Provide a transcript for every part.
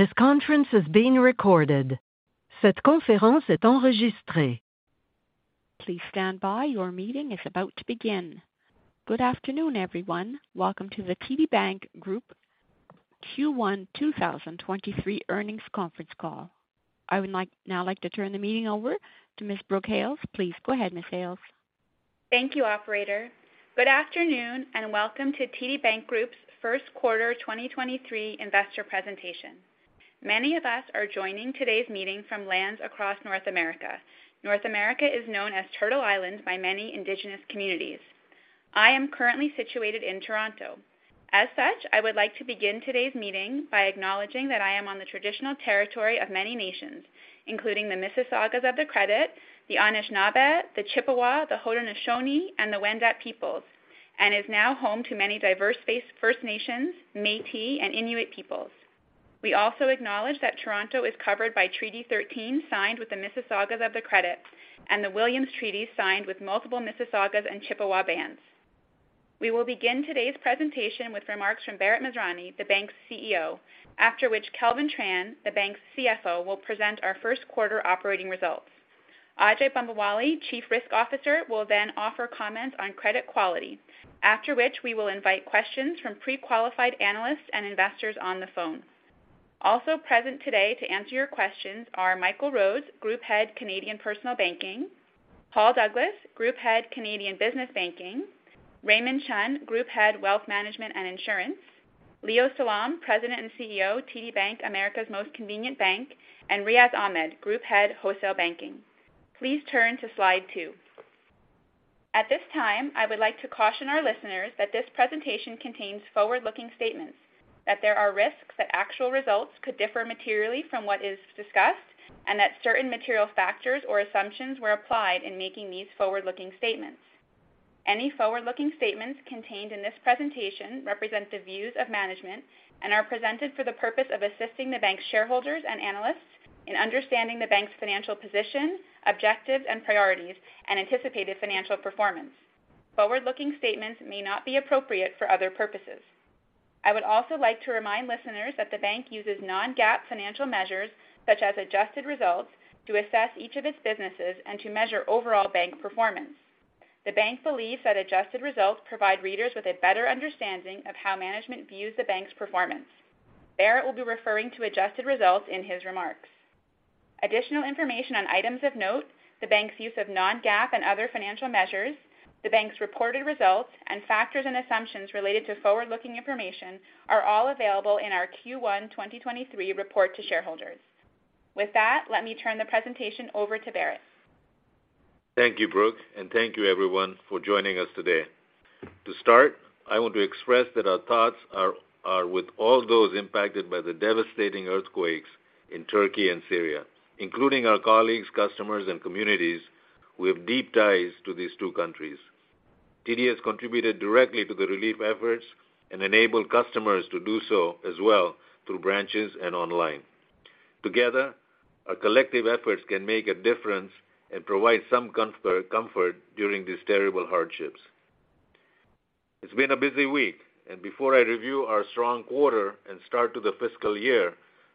This conference is being recorded. Please stand by. Your meeting is about to begin. Good afternoon, everyone. Welcome to the TD Bank Group Q1 2023 earnings conference call. I would now like to turn the meeting over to Ms. Brooke Hales. Please go ahead, Ms. Hales. Thank you, operator. Good afternoon, and welcome to TD Bank Group's first quarter 2023 investor presentation. Many of us are joining today's meeting from lands across North America. North America is known as Turtle Island by many indigenous communities. I am currently situated in Toronto. As such, I would like to begin today's meeting by acknowledging that I am on the traditional territory of many nations, including the Mississaugas of the Credit, the Anishinabeg, the Chippewa, the Haudenosaunee, and the Wendat peoples, and is now home to many diverse First Nations, Métis, and Inuit peoples. We also acknowledge that Toronto is covered by Treaty 13, signed with the Mississaugas of the Credit, and the Williams Treaties, signed with multiple Mississaugas and Chippewa bands. We will begin today's presentation with remarks from Bharat Masrani, the bank's CEO, after which Kelvin Tran, the bank's CFO, will present our first quarter operating results. Ajai Bambawale, Chief Risk Officer, will then offer comments on credit quality. After which we will invite questions from pre-qualified analysts and investors on the phone. Also present today to answer your questions are Michael Rhodes, Group Head, Canadian Personal Banking; Paul Douglas, Group Head, Canadian Business Banking; Raymond Chun, Group Head, Wealth Management and Insurance; Leo Salom, President and CEO, TD Bank, America's Most Convenient Bank; and Riaz Ahmed, Group Head, Wholesale Banking. Please turn to slide two. At this time, I would like to caution our listeners that this presentation contains forward-looking statements, that there are risks that actual results could differ materially from what is discussed, and that certain material factors or assumptions were applied in making these forward-looking statements. Any forward-looking statements contained in this presentation represent the views of management and are presented for the purpose of assisting the bank's shareholders and analysts in understanding the bank's financial position, objectives and priorities, and anticipated financial performance. Forward-looking statements may not be appropriate for other purposes. I would also like to remind listeners that the bank uses non-GAAP financial measures, such as adjusted results, to assess each of its businesses and to measure overall bank performance. The bank believes that adjusted results provide readers with a better understanding of how management views the bank's performance. Barrett will be referring to adjusted results in his remarks. Additional information on items of note, the bank's use of non-GAAP and other financial measures, the bank's reported results, and factors and assumptions related to forward-looking information are all available in our Q1 2023 report to shareholders. With that, let me turn the presentation over to Bharat. Thank you, Brooke, and thank you everyone for joining us today. To start, I want to express that our thoughts are with all those impacted by the devastating earthquakes in Turkey and Syria, including our colleagues, customers, and communities with deep ties to these two countries. TD has contributed directly to the relief efforts and enabled customers to do so as well through branches and online. Together, our collective efforts can make a difference and provide some comfort during these terrible hardships. It's been a busy week, and before I review our strong quarter and start to the fiscal year,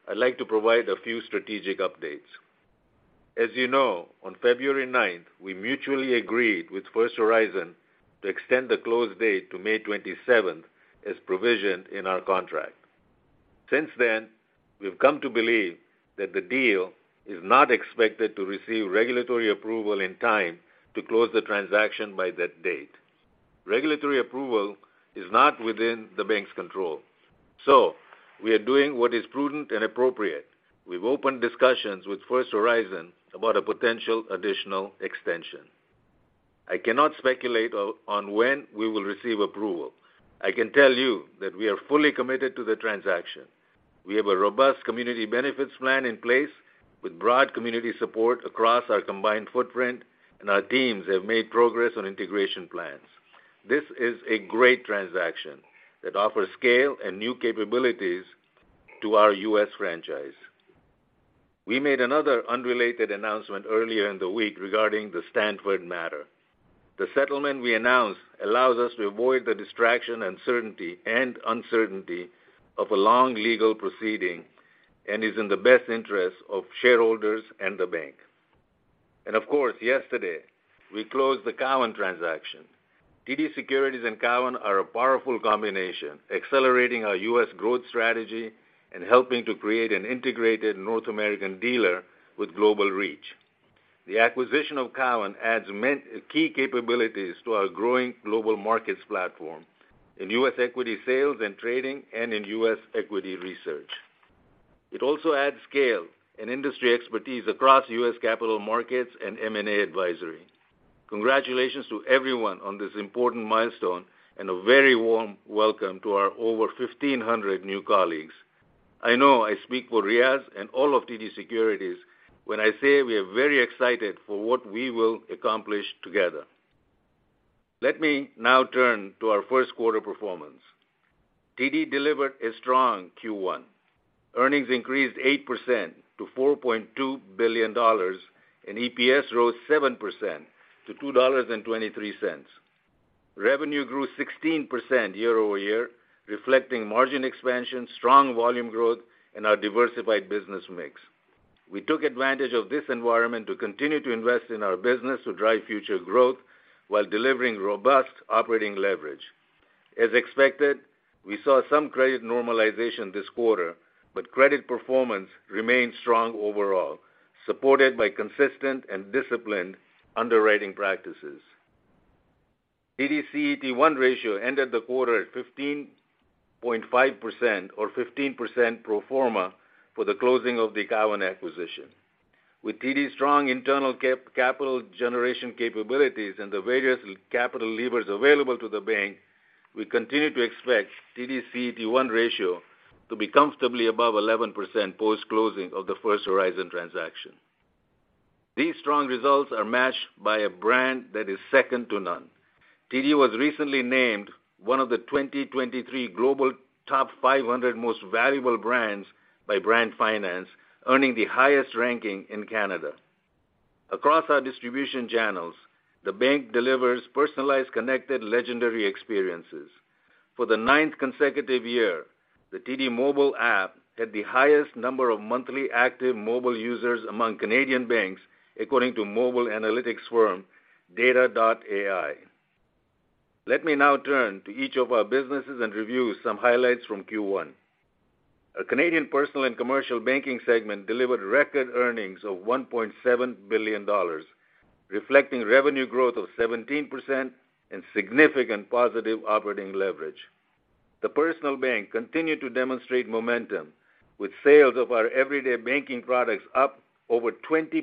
I'd like to provide a few strategic updates. As you know, on February 9th, we mutually agreed with First Horizon to extend the close date to May 27th, as provisioned in our contract. We've come to believe that the deal is not expected to receive regulatory approval in time to close the transaction by that date. Regulatory approval is not within the bank's control. We are doing what is prudent and appropriate. We've opened discussions with First Horizon about a potential additional extension. I cannot speculate on when we will receive approval. I can tell you that we are fully committed to the transaction. We have a robust community benefits plan in place with broad community support across our combined footprint, and our teams have made progress on integration plans. This is a great transaction that offers scale and new capabilities to our U.S. franchise. We made another unrelated announcement earlier in the week regarding the Stanford matter. The settlement we announced allows us to avoid the distraction and uncertainty of a long legal proceeding and is in the best interest of shareholders and the bank. Of course, yesterday, we closed the Cowen transaction. TD Securities and Cowen are a powerful combination, accelerating our U.S. growth strategy and helping to create an integrated North American dealer with global reach. The acquisition of Cowen adds key capabilities to our growing global markets platform in U.S. equity sales and trading and in U.S. equity research. It also adds scale and industry expertise across U.S. capital markets and M&A advisory. Congratulations to everyone on this important milestone and a very warm welcome to our over 1,500 new colleagues. I know I speak for Riaz and all of TD Securities when I say we are very excited for what we will accomplish together. Let me now turn to our first quarter performance. TD delivered a strong Q1. Earnings increased 8% to 4.2 billion dollars, and EPS rose 7% to 2.23 dollars. Revenue grew 16% year-over-year, reflecting margin expansion, strong volume growth, and our diversified business mix. We took advantage of this environment to continue to invest in our business to drive future growth while delivering robust operating leverage. As expected, we saw some credit normalization this quarter, but credit performance remained strong overall, supported by consistent and disciplined underwriting practices. TD CET1 ratio ended the quarter at 15.5% or 15% pro forma for the closing of the Cowen acquisition. With TD's strong internal capital generation capabilities and the various capital levers available to the bank, we continue to expect TD's CET1 ratio to be comfortably above 11% post-closing of the First Horizon transaction. These strong results are matched by a brand that is second to none. TD was recently named one of the 2023 global top 500 most valuable brands by Brand Finance, earning the highest ranking in Canada. Across our distribution channels, the bank delivers personalized, connected, legendary experiences. For the ninth consecutive year, the TD Mobile app had the highest number of monthly active mobile users among Canadian banks, according to mobile analytics firm data.ai. Let me now turn to each of our businesses and review some highlights from Q1. Our Canadian personal and commercial banking segment delivered record earnings of $1.7 billion, reflecting revenue growth of 17% and significant positive operating leverage. The personal bank continued to demonstrate momentum with sales of our everyday banking products up over 20%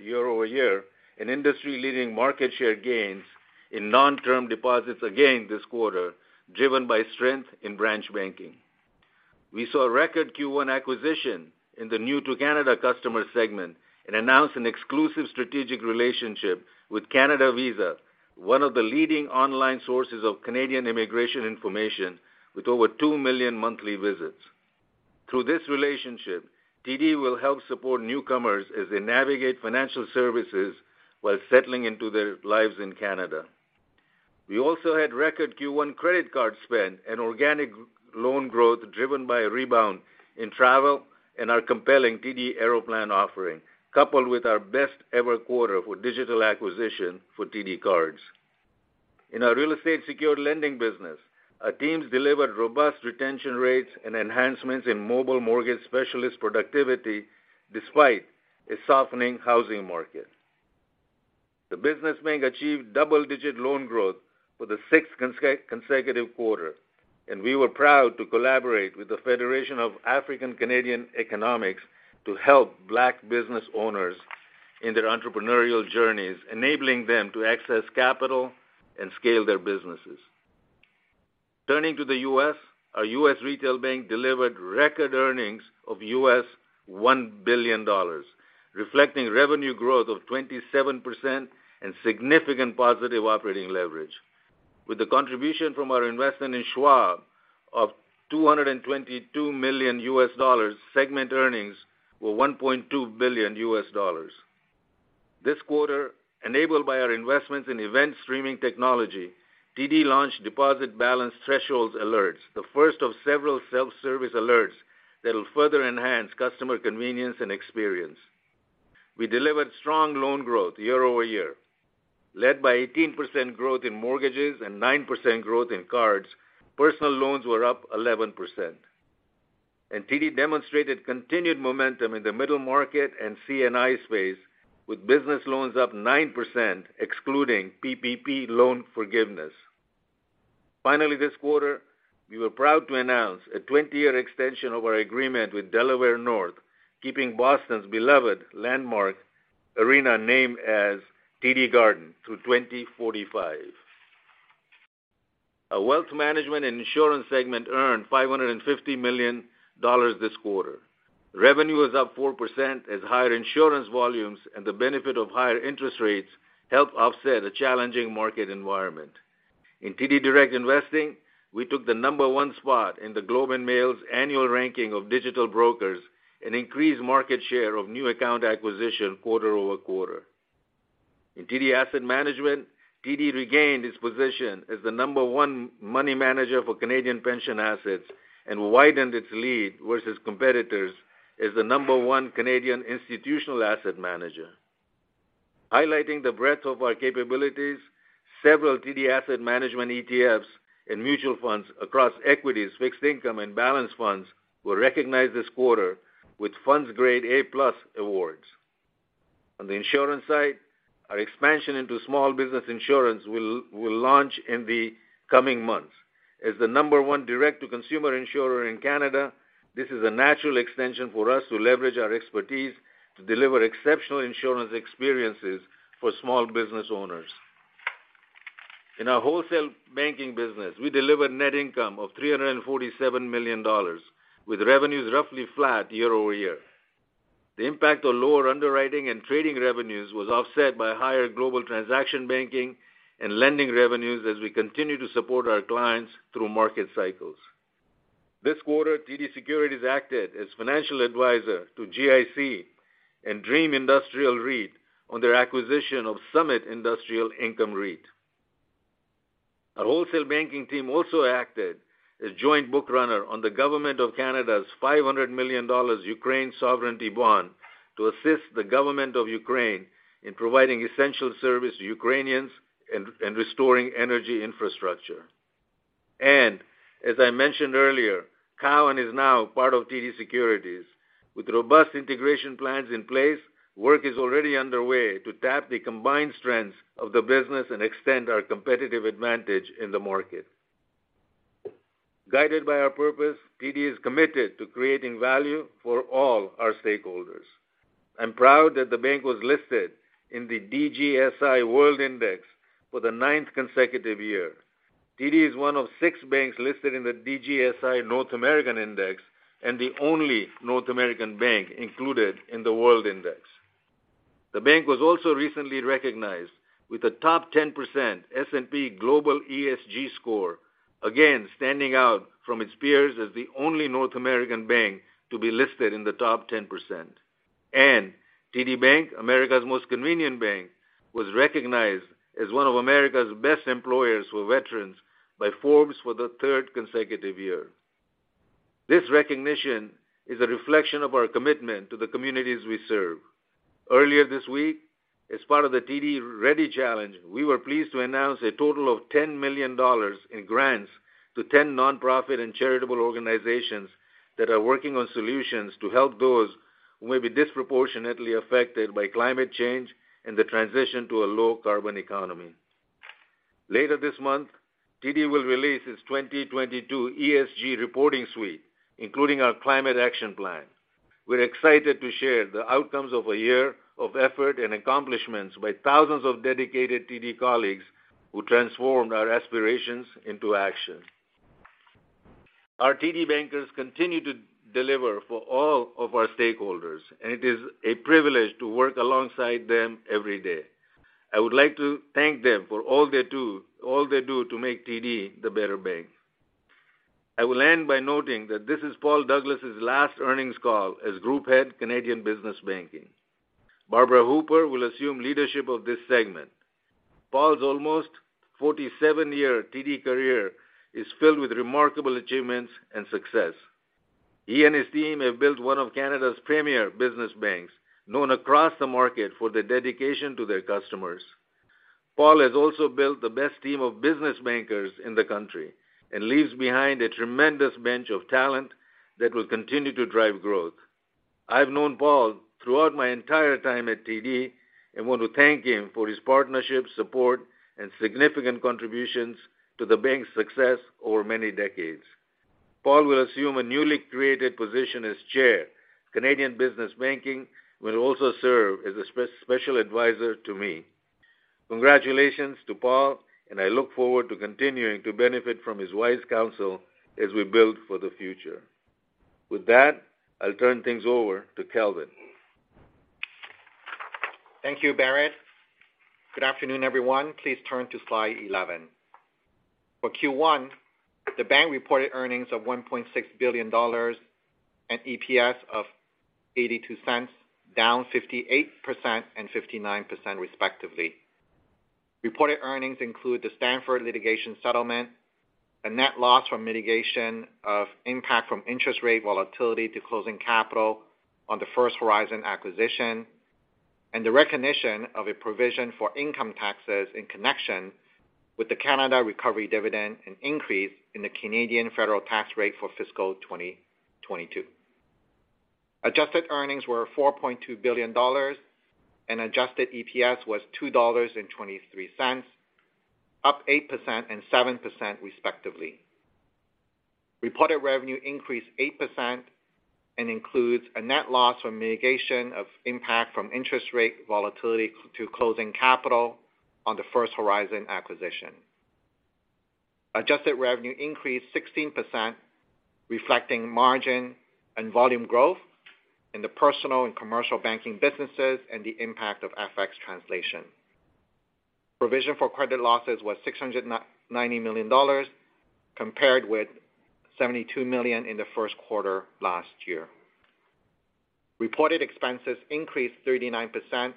year-over-year and industry-leading market share gains in non-term deposits again this quarter, driven by strength in branch banking. We saw a record Q1 acquisition in the new to Canada customer segment and announced an exclusive strategic relationship with Canada Visa, one of the leading online sources of Canadian immigration information with over 2 million monthly visits. Through this relationship, TD will help support newcomers as they navigate financial services while settling into their lives in Canada. We also had record Q1 credit card spend and organic loan growth driven by a rebound in travel and our compelling TD Aeroplan offering, coupled with our best-ever quarter for digital acquisition for TD cards. In our real estate-secured lending business, our teams delivered robust retention rates and enhancements in mobile mortgage specialist productivity despite a softening housing market. The business bank achieved double-digit loan growth for the sixth consecutive quarter. We were proud to collaborate with the Federation of African Canadian Economics to help Black business owners in their entrepreneurial journeys, enabling them to access capital and scale their businesses. Turning to the U.S., our U.S. retail bank delivered record earnings of $1 billion, reflecting revenue growth of 27% and significant positive operating leverage. With the contribution from our investment in Schwab of $222 million, segment earnings were $1.2 billion. This quarter, enabled by our investments in event streaming technology, TD launched deposit balance thresholds alerts, the first of several self-service alerts that will further enhance customer convenience and experience. We delivered strong loan growth year-over-year, led by 18% growth in mortgages and 9% growth in cards. Personal loans were up 11%. TD demonstrated continued momentum in the middle market and C&I space with business loans up 9%, excluding PPP loan forgiveness. Finally, this quarter, we were proud to announce a 20-year extension of our agreement with Delaware North, keeping Boston's beloved landmark arena named as TD Garden through 2045. Our wealth management and insurance segment earned 550 million dollars this quarter. Revenue was up 4% as higher insurance volumes and the benefit of higher interest rates helped offset a challenging market environment. In TD Direct Investing, we took the number one spot in The Globe and Mail's annual ranking of digital brokers and increased market share of new account acquisition quarter-over-quarter. In TD Asset Management, TD regained its position as the number one money manager for Canadian pension assets and widened its lead versus competitors as the number one Canadian institutional asset manager. Highlighting the breadth of our capabilities, several TD Asset Management ETFs and mutual funds across equities, fixed income, and balanced funds were recognized this quarter with FundGrade A+ awards. On the insurance side, our expansion into small business insurance will launch in the coming months. As the number one direct-to-consumer insurer in Canada, this is a natural extension for us to leverage our expertise to deliver exceptional insurance experiences for small business owners. In our wholesale banking business, we delivered net income of 347 million dollars, with revenues roughly flat year-over-year. The impact of lower underwriting and trading revenues was offset by higher global transaction banking and lending revenues as we continue to support our clients through market cycles. This quarter, TD Securities acted as financial advisor to GIC and Dream Industrial REIT on their acquisition of Summit Industrial Income REIT. Our wholesale banking team also acted as joint book runner on the government of Canada's 500 million dollars Ukraine sovereignty bond to assist the government of Ukraine in providing essential service to Ukrainians and restoring energy infrastructure. As I mentioned earlier, Cowen is now part of TD Securities. With robust integration plans in place, work is already underway to tap the combined strengths of the business and extend our competitive advantage in the market. Guided by our purpose, TD is committed to creating value for all our stakeholders. I'm proud that the bank was listed in the DJSI World Index for the 9th consecutive year. TD is one of six banks listed in the DJSI North American Index and the only North American bank included in the World Index. The bank was also recently recognized with a top 10% S&P Global ESG score, again, standing out from its peers as the only North American bank to be listed in the top 10%. TD Bank, America's Most Convenient Bank, was recognized as one of America's best employers for veterans by Forbes for the third consecutive year. This recognition is a reflection of our commitment to the communities we serve. Earlier this week, as part of the TD Ready Challenge, we were pleased to announce a total of 10 million dollars in grants to 10 nonprofit and charitable organizations that are working on solutions to help those who may be disproportionately affected by climate change and the transition to a low-carbon economy. Later this month, TD will release its 2022 ESG reporting suite, including our climate action plan. We're excited to share the outcomes of a year of effort and accomplishments by thousands of dedicated TD colleagues who transformed our aspirations into action. Our TD bankers continue to deliver for all of our stakeholders. It is a privilege to work alongside them every day. I would like to thank them for all they do to make TD the better bank. I will end by noting that this is Paul Douglas' last earnings call as Group Head, Canadian Business Banking. Barbara Hooper will assume leadership of this segment. Paul's almost 47-year TD career is filled with remarkable achievements and success. He and his team have built one of Canada's premier business banks, known across the market for their dedication to their customers. Paul has also built the best team of business bankers in the country and leaves behind a tremendous bench of talent that will continue to drive growth. I've known Paul throughout my entire time at TD and want to thank him for his partnership, support, and significant contributions to the bank's success over many decades. Paul will assume a newly created position as Chair, Canadian Business Banking, will also serve as a special advisor to me. Congratulations to Paul, and I look forward to continuing to benefit from his wise counsel as we build for the future. With that, I'll turn things over to Kelvin. Thank you, Bharat. Good afternoon, everyone. Please turn to slide 11. For Q1, the bank reported earnings of 1.6 billion dollars and EPS of 0.82, down 58% and 59% respectively. Reported earnings include the Stanford litigation settlement, a net loss from mitigation of impact from interest rate volatility to closing capital on the First Horizon acquisition, and the recognition of a provision for income taxes in connection with the Canada Recovery Dividend and increase in the Canadian federal tax rate for fiscal 2022. Adjusted earnings were 4.2 billion dollars, and adjusted EPS was 2.23 dollars, up 8% and 7% respectively. Reported revenue increased 8% and includes a net loss from mitigation of impact from interest rate volatility to closing capital on the First Horizon acquisition. Adjusted revenue increased 16%, reflecting margin and volume growth in the personal and commercial banking businesses and the impact of FX translation. Provision for credit losses was 690 million dollars, compared with 72 million in the first quarter last year. Reported expenses increased 39%,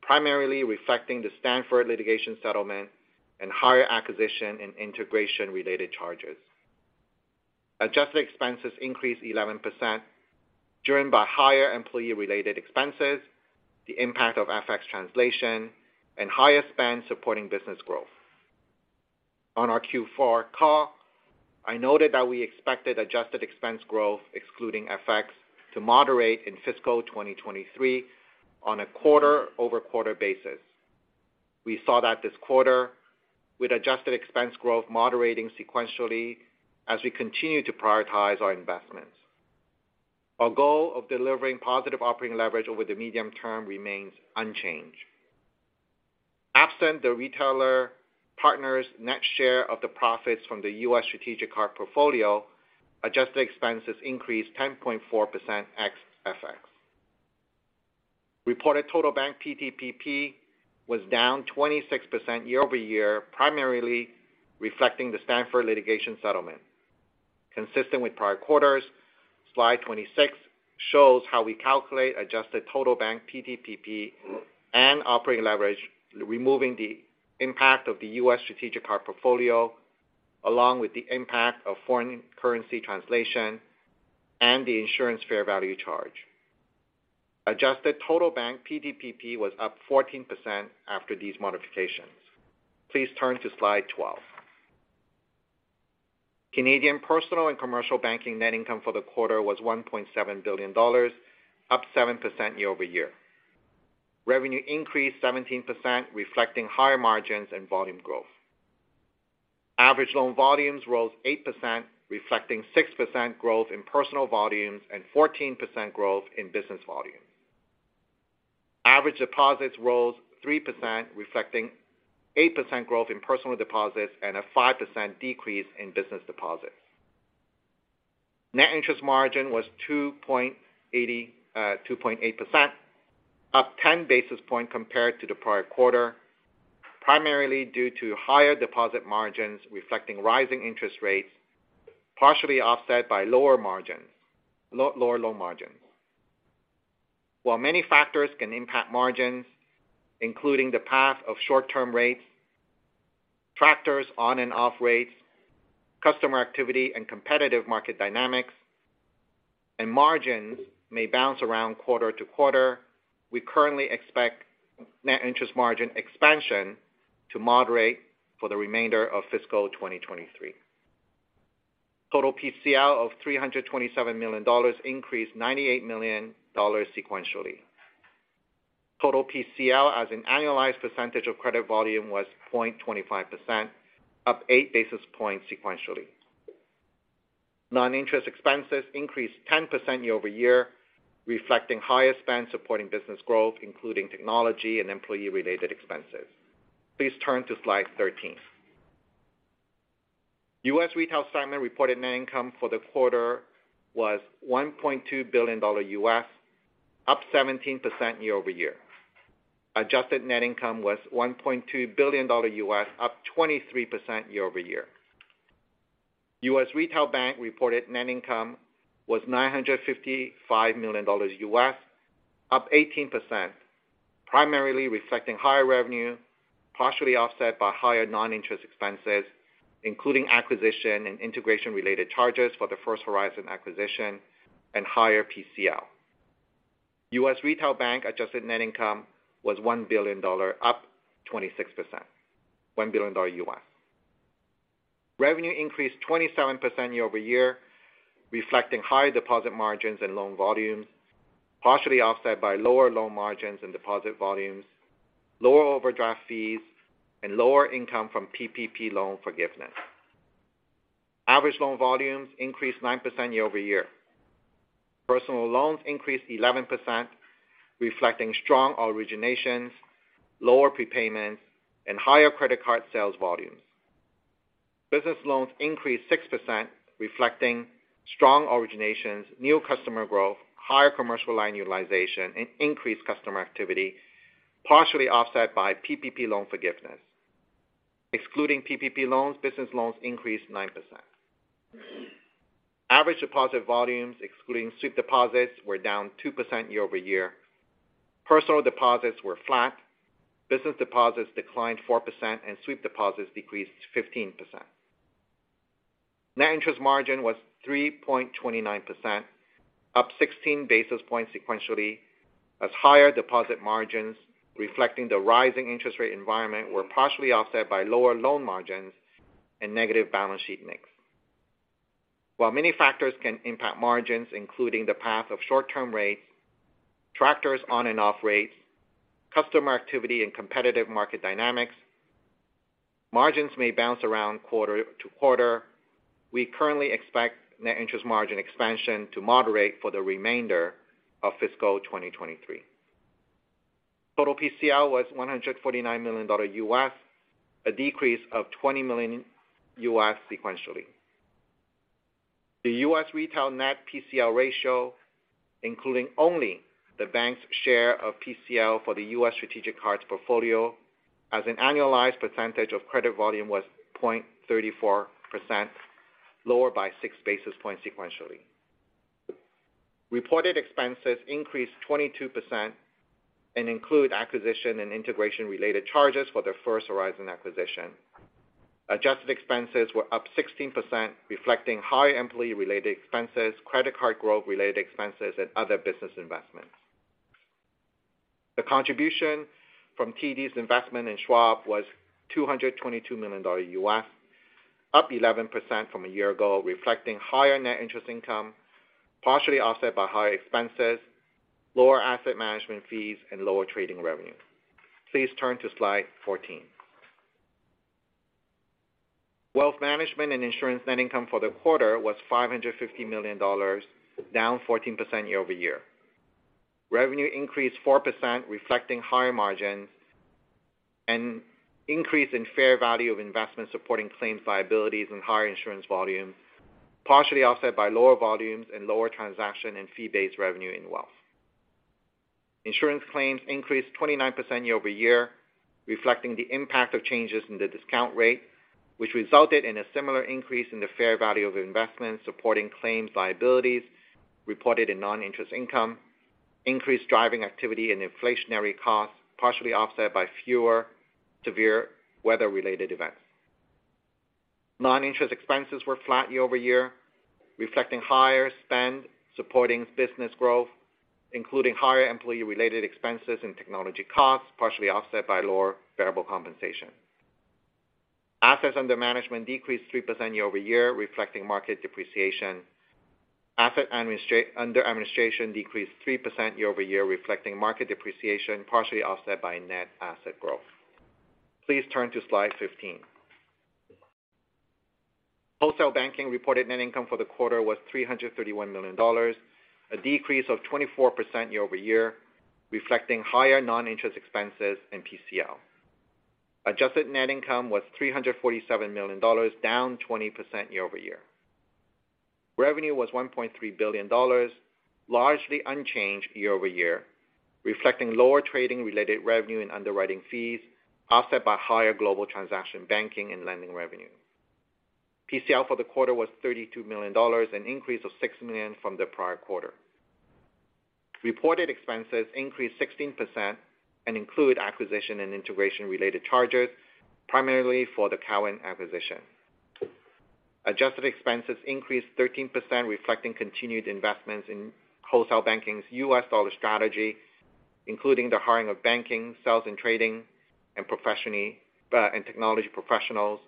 primarily reflecting the Stanford litigation settlement and higher acquisition and integration-related charges. Adjusted expenses increased 11%, driven by higher employee-related expenses, the impact of FX translation, and higher spend supporting business growth. On our Q4 call, I noted that we expected adjusted expense growth, excluding FX, to moderate in fiscal 2023 on a quarter-over-quarter basis. We saw that this quarter with adjusted expense growth moderating sequentially as we continue to prioritize our investments. Our goal of delivering positive operating leverage over the medium term remains unchanged. Absent the retailer partners' net share of the profits from the U.S. strategic card portfolio, adjusted expenses increased 10.4% ex-FX. Reported total bank PTPP was down 26% year-over-year, primarily reflecting the Stanford litigation settlement. Consistent with prior quarters, slide 26 shows how we calculate adjusted total bank PTPP and operating leverage, removing the impact of the U.S. strategic car portfolio, along with the impact of foreign currency translation and the insurance fair value charge. Adjusted total bank PTPP was up 14% after these modifications. Please turn to slide 12. Canadian Personal & Commercial Banking net income for the quarter was 1.7 billion dollars, up 7% year-over-year. Revenue increased 17%, reflecting higher margins and volume growth. Average loan volumes rose 8%, reflecting 6% growth in personal volumes and 14% growth in business volumes. Average deposits rose 3%, reflecting 8% growth in personal deposits and a 5% decrease in business deposits. Net interest margin was 2.8%, up 10 basis points compared to the prior quarter, primarily due to higher deposit margins reflecting rising interest rates, partially offset by lower loan margins. While many factors can impact margins, including the path of short-term rates, trackers on and off rates, customer activity and competitive market dynamics and margins may bounce around quarter to quarter, we currently expect net interest margin expansion to moderate for the remainder of fiscal 2023. Total PCL of 327 million dollars increased 98 million dollars sequentially. Total PCL as an annualized percentage of credit volume was 0.25%, up eight basis points sequentially. Non-interest expenses increased 10% year-over-year, reflecting higher spends supporting business growth, including technology and employee related expenses. Please turn to slide 13. US Retail segment reported net income for the quarter was $1.2 billion, up 17% year-over-year. Adjusted net income was $1.2 billion, up 23% year-over-year. US Retail Bank reported net income was $955 million, up 18%, primarily reflecting higher revenue, partially offset by higher non-interest expenses, including acquisition and integration-related charges for the First Horizon acquisition and higher PCL. US Retail Bank adjusted net income was $1 billion, up 26%, $1 billion. Revenue increased 27% year-over-year, reflecting higher deposit margins and loan volumes, partially offset by lower loan margins and deposit volumes, lower overdraft fees, and lower income from PPP loan forgiveness. Average loan volumes increased 9% year-over-year. Personal loans increased 11%, reflecting strong originations, lower prepayments and higher credit card sales volumes. Business loans increased 6%, reflecting strong originations, new customer growth, higher commercial line utilization, and increased customer activity, partially offset by PPP loan forgiveness. Excluding PPP loans, business loans increased 9%. Average deposit volumes, excluding sweep deposits, were down 2% year-over-year. Personal deposits were flat, business deposits declined 4%, and sweep deposits decreased 15%. Net interest margin was 3.29%, up 16 basis points sequentially, as higher deposit margins reflecting the rising interest rate environment were partially offset by lower loan margins and negative balance sheet mix. While many factors can impact margins, including the path of short-term rates, trackers on and off rates, customer activity and competitive market dynamics, margins may bounce around quarter to quarter. We currently expect net interest margin expansion to moderate for the remainder of fiscal 2023. Total PCL was $149 million, a decrease of $20 million sequentially. The US retail net PCL ratio, including only the bank's share of PCL for the US strategic cards portfolio, as an annualized percentage of credit volume was 0.34%, lower by six basis points sequentially. Reported expenses increased 22% and include acquisition and integration-related charges for their First Horizon acquisition. Adjusted expenses were up 16%, reflecting high employee-related expenses, credit card growth-related expenses and other business investments. The contribution from TD's investment in Schwab was $222 million USD, up 11% from a year ago, reflecting higher net interest income, partially offset by higher expenses, lower asset management fees and lower trading revenue. Please turn to slide 14. Wealth management and insurance net income for the quarter was $550 million, down 14% year-over-year. Revenue increased 4%, reflecting higher margins, an increase in fair value of investments supporting claims liabilities and higher insurance volumes, partially offset by lower volumes and lower transaction and fee-based revenue in wealth. Insurance claims increased 29% year-over-year, reflecting the impact of changes in the discount rate, which resulted in a similar increase in the fair value of investments supporting claims liabilities reported in non-interest income, increased driving activity and inflationary costs, partially offset by fewer severe weather-related events. Non-interest expenses were flat year-over-year, reflecting higher spend supporting business growth, including higher employee-related expenses and technology costs, partially offset by lower variable compensation. Assets under management decreased 3% year-over-year, reflecting market depreciation. Assets under administration decreased 3% year-over-year, reflecting market depreciation, partially offset by net asset growth. Please turn to slide 15. Wholesale Banking reported net income for the quarter was 331 million dollars, a decrease of 24% year-over-year, reflecting higher non-interest expenses and PCL. Adjusted net income was CAD $347 million, down 20% year-over-year. Revenue was CAD $1.3 billion, largely unchanged year-over-year, reflecting lower trading-related revenue and underwriting fees, offset by higher global transaction banking and lending revenue. PCL for the quarter was CAD $32 million, an increase of CAD $6 million from the prior quarter. Reported expenses increased 16% and include acquisition and integration-related charges, primarily for the Cowen acquisition. Adjusted expenses increased 13%, reflecting continued investments in Wholesale Banking's US dollar strategy, including the hiring of banking, sales and trading and technology professionals,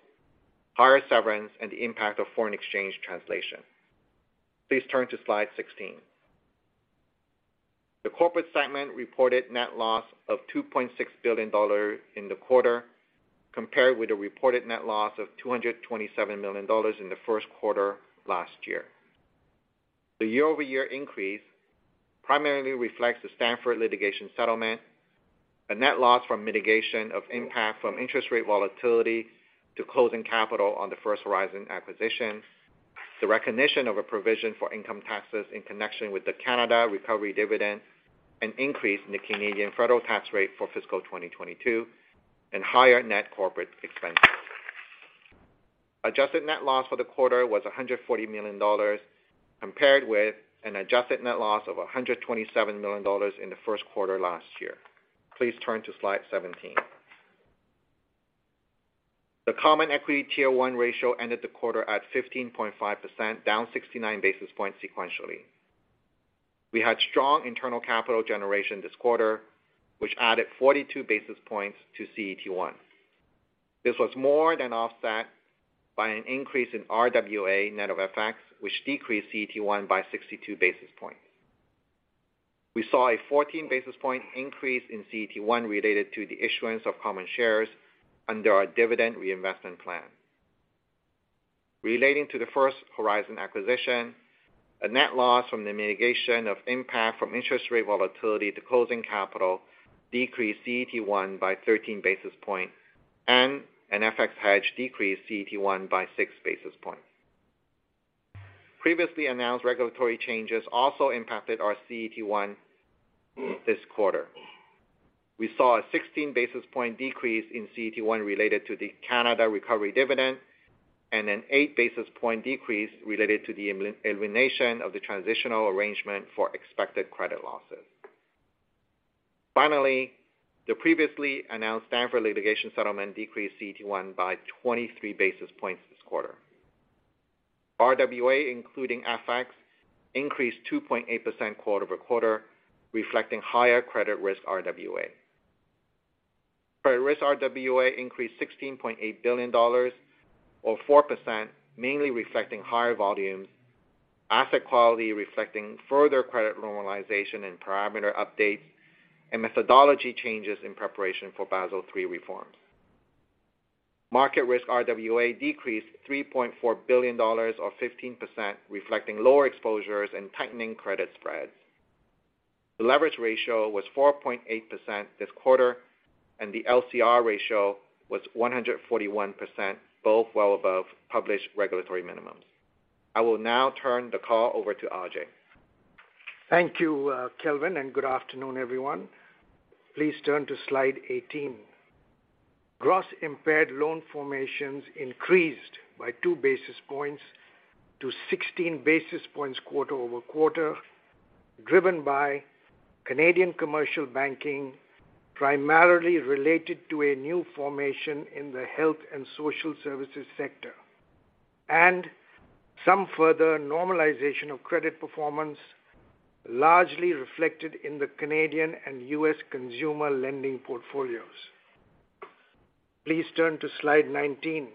higher severance and the impact of foreign exchange translation. Please turn to slide 16. The Corporate segment reported net loss of 2.6 billion dollars in the quarter, compared with a reported net loss of 227 million dollars in the first quarter last year. The year-over-year increase primarily reflects the Stanford litigation settlement, a net loss from mitigation of impact from interest rate volatility to closing capital on the First Horizon acquisition, the recognition of a provision for income taxes in connection with the Canada Recovery Dividend, an increase in the Canadian federal tax rate for fiscal 2022, and higher net corporate expenses. Adjusted net loss for the quarter was 140 million dollars, compared with an adjusted net loss of 127 million dollars in the first quarter last year. Please turn to slide 17. The Common Equity Tier 1 ratio ended the quarter at 15.5%, down 69 basis points sequentially. We had strong internal capital generation this quarter, which added 42 basis points to CET1. This was more than offset by an increase in RWA net of FX, which decreased CET1 by 62 basis points. We saw a 14 basis point increase in CET1 related to the issuance of common shares under our dividend reinvestment plan. Relating to the First Horizon acquisition, a net loss from the mitigation of impact from interest rate volatility to closing capital decreased CET1 by 13 basis points, and an FX hedge decreased CET1 by six basis points. Previously announced regulatory changes also impacted our CET1 this quarter. We saw a 16 basis point decrease in CET1 related to the Canada Recovery Dividend and an eight basis point decrease related to the elimination of the transitional arrangement for expected credit losses. The previously announced Stanford litigation settlement decreased CET1 by 23 basis points this quarter. RWA, including FX, increased 2.8% quarter-over-quarter, reflecting higher credit risk RWA. Credit risk RWA increased 16.8 billion dollars or 4%, mainly reflecting higher volumes, asset quality reflecting further credit normalization and parameter updates and methodology changes in preparation for Basel III reforms. Market risk RWA decreased 3.4 billion dollars or 15%, reflecting lower exposures and tightening credit spreads. The leverage ratio was 4.8% this quarter, and the LCR ratio was 141%, both well above published regulatory minimums. I will now turn the call over to Ajai. Thank you, Kelvin, and good afternoon, everyone. Please turn to slide 18. Gross impaired loan formations increased by two basis points to 16 basis points quarter over quarter, driven by Canadian Commercial Banking, primarily related to a new formation in the health and social services sector, and some further normalization of credit performance, largely reflected in the Canadian and US consumer lending portfolios. Please turn to slide 19.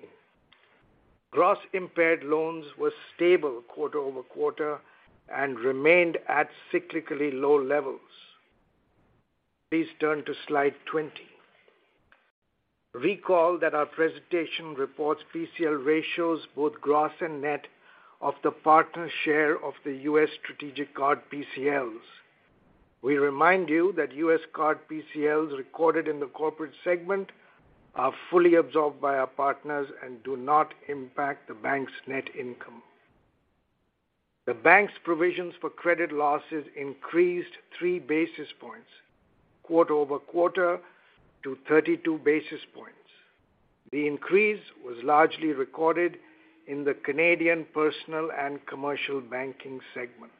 Gross impaired loans were stable quarter over quarter and remained at cyclically low levels. Please turn to slide 20. Recall that our presentation reports PCL ratios, both gross and net, of the partner share of the US Strategic Card PCLs. We remind you that US card PCLs recorded in the corporate segment are fully absorbed by our partners and do not impact the bank's net income. The bank's provisions for credit losses increased three basis points quarter-over-quarter to 32 basis points. The increase was largely recorded in the Canadian Personal & Commercial Banking segment.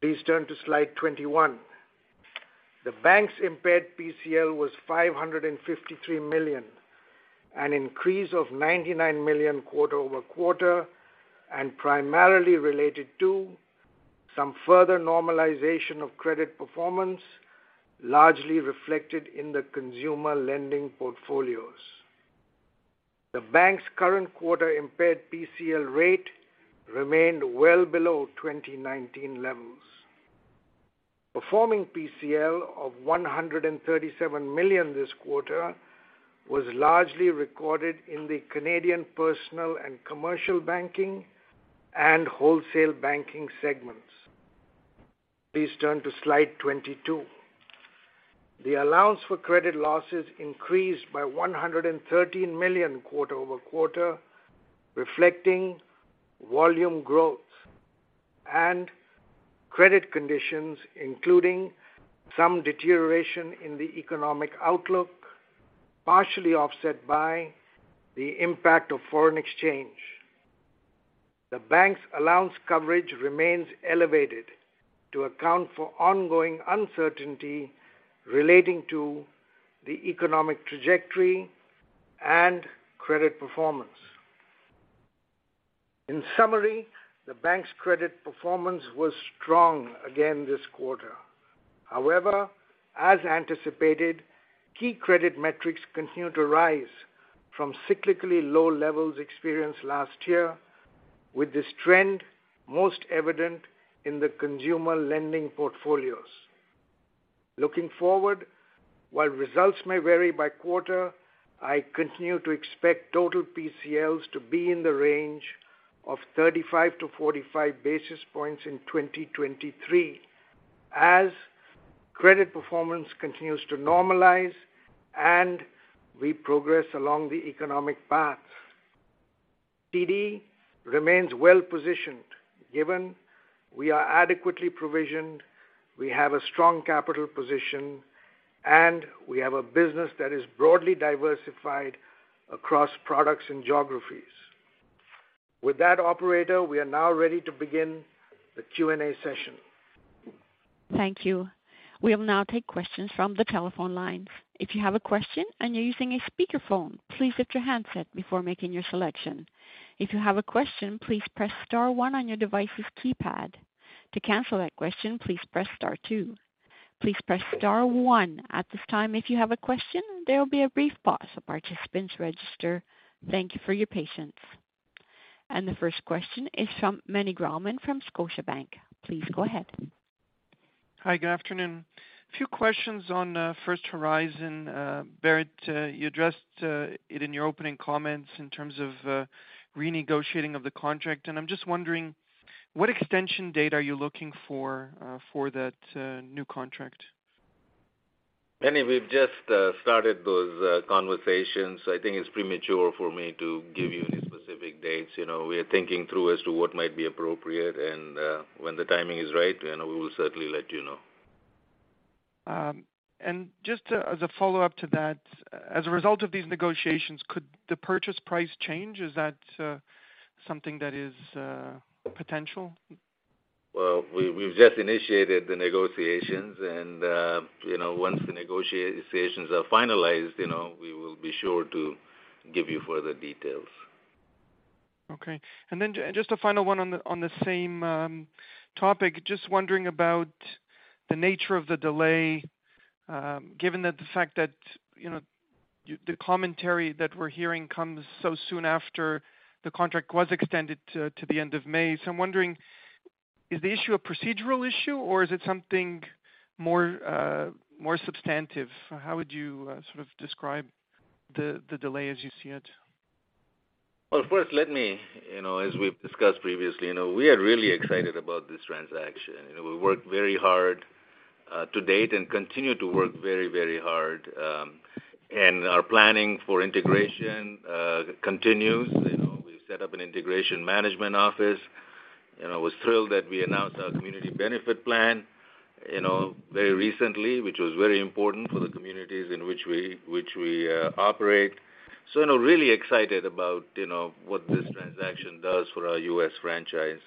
Please turn to slide 21. The bank's impaired PCL was 553 million, an increase of 99 million quarter-over-quarter, and primarily related to some further normalization of credit performance, largely reflected in the consumer lending portfolios. The bank's current quarter impaired PCL rate remained well below 2019 levels. Performing PCL of 137 million this quarter was largely recorded in the Canadian Personal & Commercial Banking and Wholesale Banking segments. Please turn to slide 22. The allowance for credit losses increased by 113 million quarter-over-quarter, reflecting volume growth and credit conditions, including some deterioration in the economic outlook, partially offset by the impact of foreign exchange. The bank's allowance coverage remains elevated to account for ongoing uncertainty relating to the economic trajectory and credit performance. In summary, the bank's credit performance was strong again this quarter. However, as anticipated, key credit metrics continued to rise from cyclically low levels experienced last year, with this trend most evident in the consumer lending portfolios. Looking forward, while results may vary by quarter, I continue to expect total PCLs to be in the range of 35-45 basis points in 2023 as credit performance continues to normalize and we progress along the economic path. TD remains well-positioned given we are adequately provisioned, we have a strong capital position, and we have a business that is broadly diversified across products and geographies. With that, operator, we are now ready to begin the Q&A session. Thank you. We will now take questions from the telephone lines. If you have a question and you're using a speakerphone, please lift your handset before making your selection. If you have a question, please press star one on your device's keypad. To cancel that question, please press star two. Please press star one at this time if you have a question. There will be a brief pause as participants register. Thank you for your patience. The first question is from Meny Grauman from Scotiabank. Please go ahead. Hi, good afternoon. A few questions on First Horizon. Bharat, you addressed it in your opening comments in terms of renegotiating of the contract, and I'm just wondering what extension date are you looking for for that new contract? Manny, we've just started those conversations. I think it's premature for me to give you any specific dates. You know, we are thinking through as to what might be appropriate and when the timing is right, you know, we will certainly let you know. Just, as a follow-up to that, as a result of these negotiations, could the purchase price change? Is that something that is potential? Well, we've just initiated the negotiations and, you know, once the negotiations are finalized, you know, we will be sure to give you further details. Okay. Just a final one on the same topic. Just wondering about the nature of the delay, given that the fact that, you know, the commentary that we're hearing comes so soon after the contract was extended to the end of May. I'm wondering, is the issue a procedural issue or is it something more substantive? How would you sort of describe the delay as you see it? Well, first, let me, you know, as we've discussed previously, you know, we are really excited about this transaction. You know, we worked very hard to date and continue to work very, very hard, and our planning for integration continues. You know, we set up an integration management office. You know, I was thrilled that we announced our community benefit plan, you know, very recently, which was very important for the communities in which we operate. You know, really excited about, you know, what this transaction does for our U.S. franchise.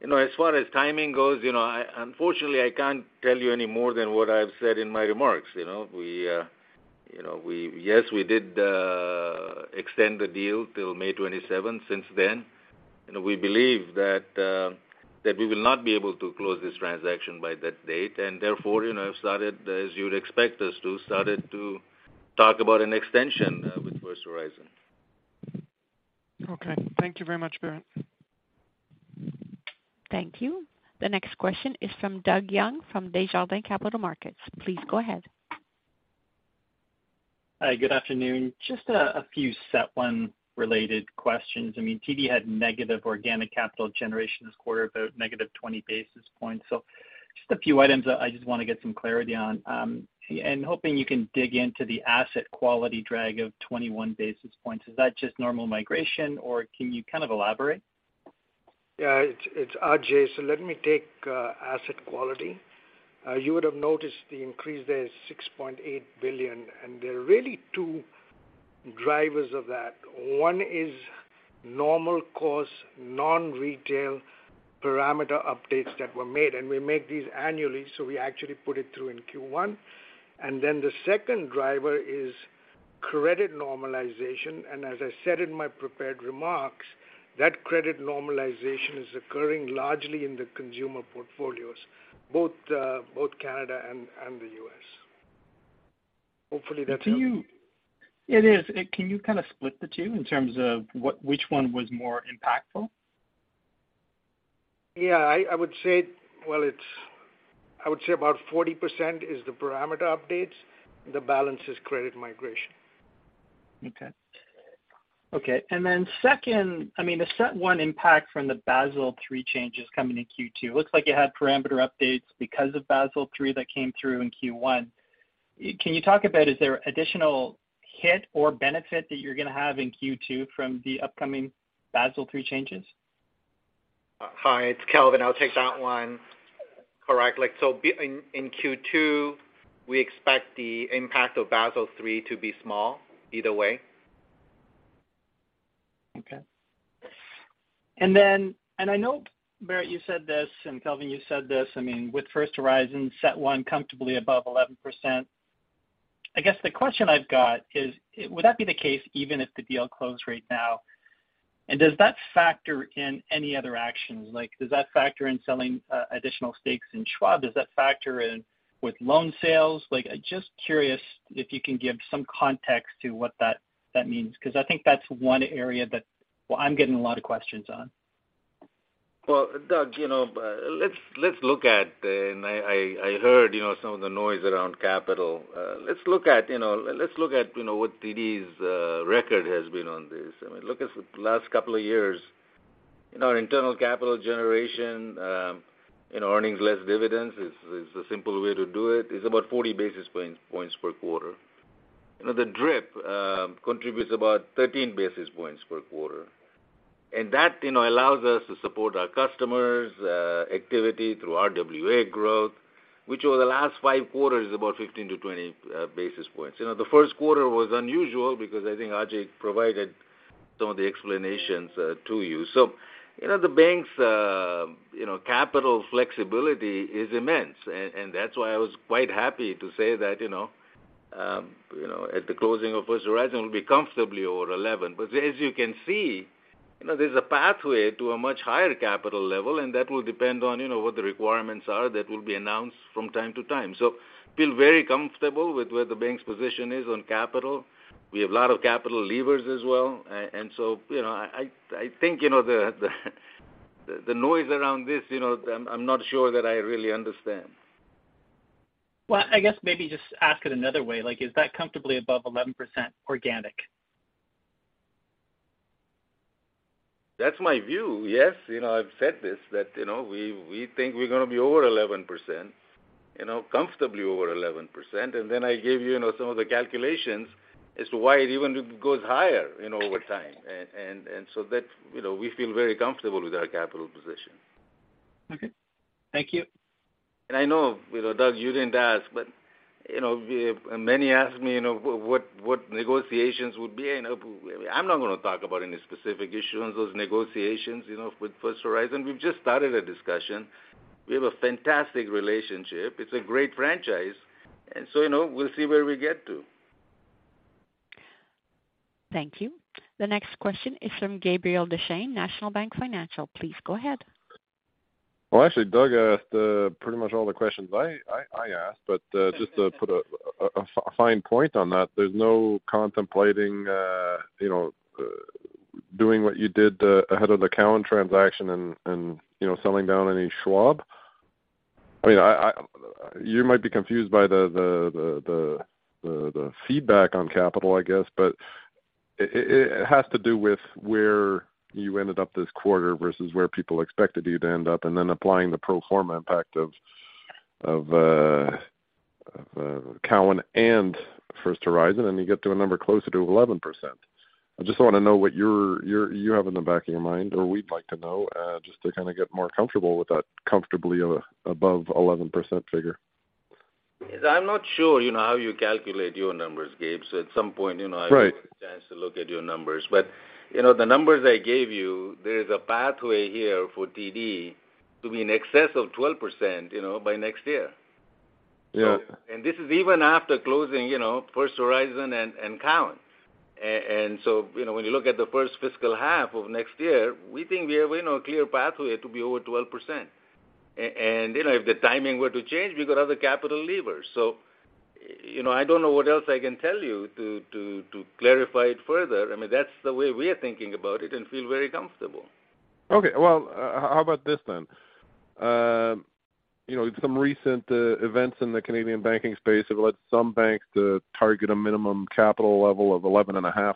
You know, as far as timing goes, you know, I unfortunately can't tell you any more than what I've said in my remarks, you know. We, you know, yes, we did extend the deal till May 27th. Since then, you know, we believe that we will not be able to close this transaction by that date, and therefore, you know, started, as you'd expect us to talk about an extension, with First Horizon. Okay. Thank you very much, Bharat. Thank you. The next question is from Doug Young, from Desjardins Capital Markets. Please go ahead. Hi, good afternoon. Just a few CET1 related questions. I mean, TD had negative organic capital generation this quarter, about negative 20 basis points. Just a few items that I just wanna get some clarity on. Hoping you can dig into the asset quality drag of 21 basis points. Is that just normal migration, or can you kind of elaborate? Yeah, it's Ajai. Let me take asset quality. You would have noticed the increase there is 6.8 billion, there are really two drivers of that. One is normal course non-retail parameter updates that were made, we make these annually, we actually put it through in Q1. The second driver is credit normalization. As I said in my prepared remarks, that credit normalization is occurring largely in the consumer portfolios, both Canada and the U.S. Hopefully that helps. It is. Can you kind of split the two in terms of what, which one was more impactful? I would say, well, I would say about 40% is the parameter updates. The balance is credit migration. Okay. Okay, second, I mean, the CET1 impact from the Basel III changes coming in Q2. Looks like you had parameter updates because of Basel III that came through in Q1. Can you talk about, is there additional hit or benefit that you're gonna have in Q2 from the upcoming Basel III changes? Hi, it's Kelvin. I'll take that one. Correct. Like in Q2, we expect the impact of Basel III to be small either way. Okay. I know, Bharat, you said this, and Kelvin, you said this, with First Horizon CET1 comfortably above 11%, I guess the question I've got is, would that be the case even if the deal closed right now? Does that factor in any other actions? Does that factor in selling additional stakes in Schwab? Does that factor in with loan sales? Just curious if you can give some context to what that means because I think that's one area that I'm getting a lot of questions on. Well, Doug, you know, let's look at, and I heard, you know, some of the noise around capital. Let's look at, you know, what TD's record has been on this. I mean, look at the last couple of years. You know, our internal capital generation, you know, earnings less dividends is a simple way to do it. It's about 40 basis points per quarter. You know, the DRIP contributes about 13 basis points per quarter. That, you know, allows us to support our customers, activity through RWA growth, which over the last five quarters is about 15-20 basis points. You know, the first quarter was unusual because I think Ajai provided some of the explanations to you. The bank's, you know, capital flexibility is immense, and that's why I was quite happy to say that, you know, at the closing of First Horizon, we'll be comfortably over 11. As you can see, you know, there's a pathway to a much higher capital level, and that will depend on, you know, what the requirements are that will be announced from time to time. Feel very comfortable with where the bank's position is on capital. We have a lot of capital levers as well. I think, you know, the noise around this, you know, I'm not sure that I really understand. Well, I guess maybe just ask it another way. Like, is that comfortably above 11% organic? That's my view. Yes. You know, I've said this, that, you know, we think we're gonna be over 11%, you know, comfortably over 11%. Then I gave you know, some of the calculations as to why it even goes higher, you know, over time. So that's, you know, we feel very comfortable with our capital position. Okay. Thank you. I know, you know, Doug, you didn't ask, but you know, many ask me, you know, what negotiations would be. You know, I'm not gonna talk about any specific issues, those negotiations, you know, with First Horizon. We've just started a discussion. We have a fantastic relationship. It's a great franchise. You know, we'll see where we get to. Thank you. The next question is from Gabriel Dechaine, National Bank Financial. Please go ahead. Well, actually, Doug asked pretty much all the questions I asked. Just to put a fine point on that, there's no contemplating, you know, doing what you did ahead of the Cowen transaction and selling down any Schwab. I mean, you might be confused by the feedback on capital, I guess. It has to do with where you ended up this quarter versus where people expected you to end up, and then applying the pro forma impact of Cowen and First Horizon, and you get to a number closer to 11%. I just want to know what you have in the back of your mind, or we'd like to know, just to kind of get more comfortable with that comfortably above 11% figure. I'm not sure, you know, how you calculate your numbers, Gabe. at some point, you know- Right. I'll get a chance to look at your numbers. You know, the numbers I gave you, there is a pathway here for TD to be in excess of 12%, you know, by next year. Yeah. This is even after closing, you know, First Horizon and Cowen. When you look at the first fiscal half of next year, we think we have, you know, a clear pathway to be over 12%. If the timing were to change, we've got other capital levers. I don't know what else I can tell you to clarify it further. I mean, that's the way we're thinking about it and feel very comfortable. Okay. Well, how about this then? You know, some recent events in the Canadian banking space have led some banks to target a minimum capital level of 11.5%.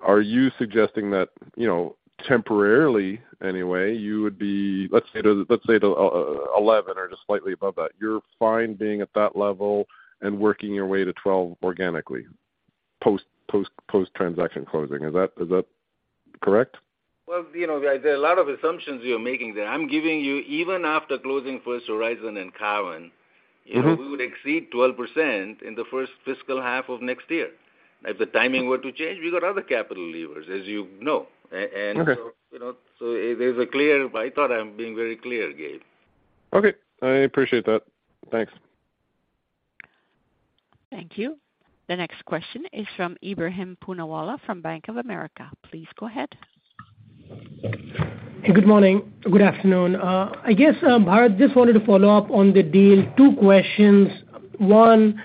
Are you suggesting that, you know, temporarily anyway, you would be 11 or just slightly above that, you're fine being at that level and working your way to 12 organically post-transaction closing? Is that correct? Well, you know, there are a lot of assumptions you're making there. I'm giving you even after closing First Horizon and Cowen. Mm-hmm you know, we would exceed 12% in the first fiscal half of next year. If the timing were to change, we got other capital levers, as you know. Okay you know, I thought I'm being very clear, Gabe. Okay. I appreciate that. Thanks. Thank you. The next question is from Ebrahim Poonawala from Bank of America. Please go ahead. Hey, good morning. Good afternoon. I guess, Bharat, just wanted to follow up on the deal. Two questions. One,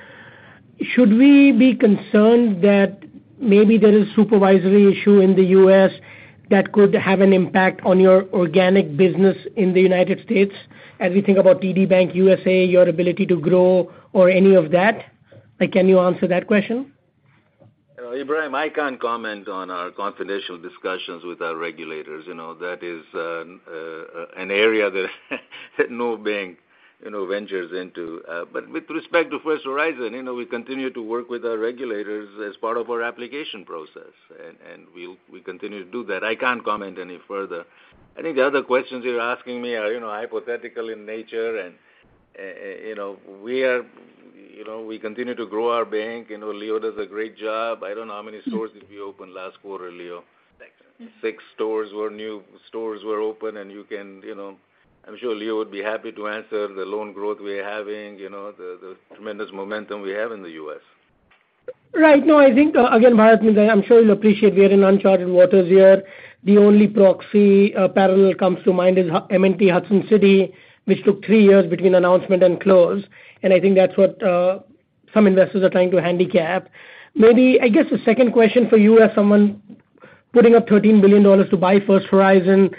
should we be concerned that maybe there is supervisory issue in the U.S. that could have an impact on your organic business in the United States as we think about TD Bank USA, your ability to grow or any of that? Like, can you answer that question? You know, Ebrahim, I can't comment on our confidential discussions with our regulators. You know, that is an area that no bank, you know, ventures into, But with respect to First Horizon, you know, we continue to work with our regulators as part of our application process, and we continue to do that. I can't comment any further. I think the other questions you're asking me are, you know, hypothetical in nature and, you know, we are, you know, we continue to grow our bank. You know, Leo does a great job. I don't know how many stores did we open last quarter, Leo? Six. Six stores were new, stores were open, and you can, you know, I'm sure Leo would be happy to answer the loan growth we're having, you know, the tremendous momentum we have in the U.S. Right. No, I think, again, Bharat, I'm sure you'll appreciate we are in uncharted waters here. The only proxy, parallel that comes to mind is M&T Hudson City, which took three years between announcement and close. I think that's what some investors are trying to handicap. Maybe, I guess the second question for you as someone putting up $13 billion to buy First Horizon,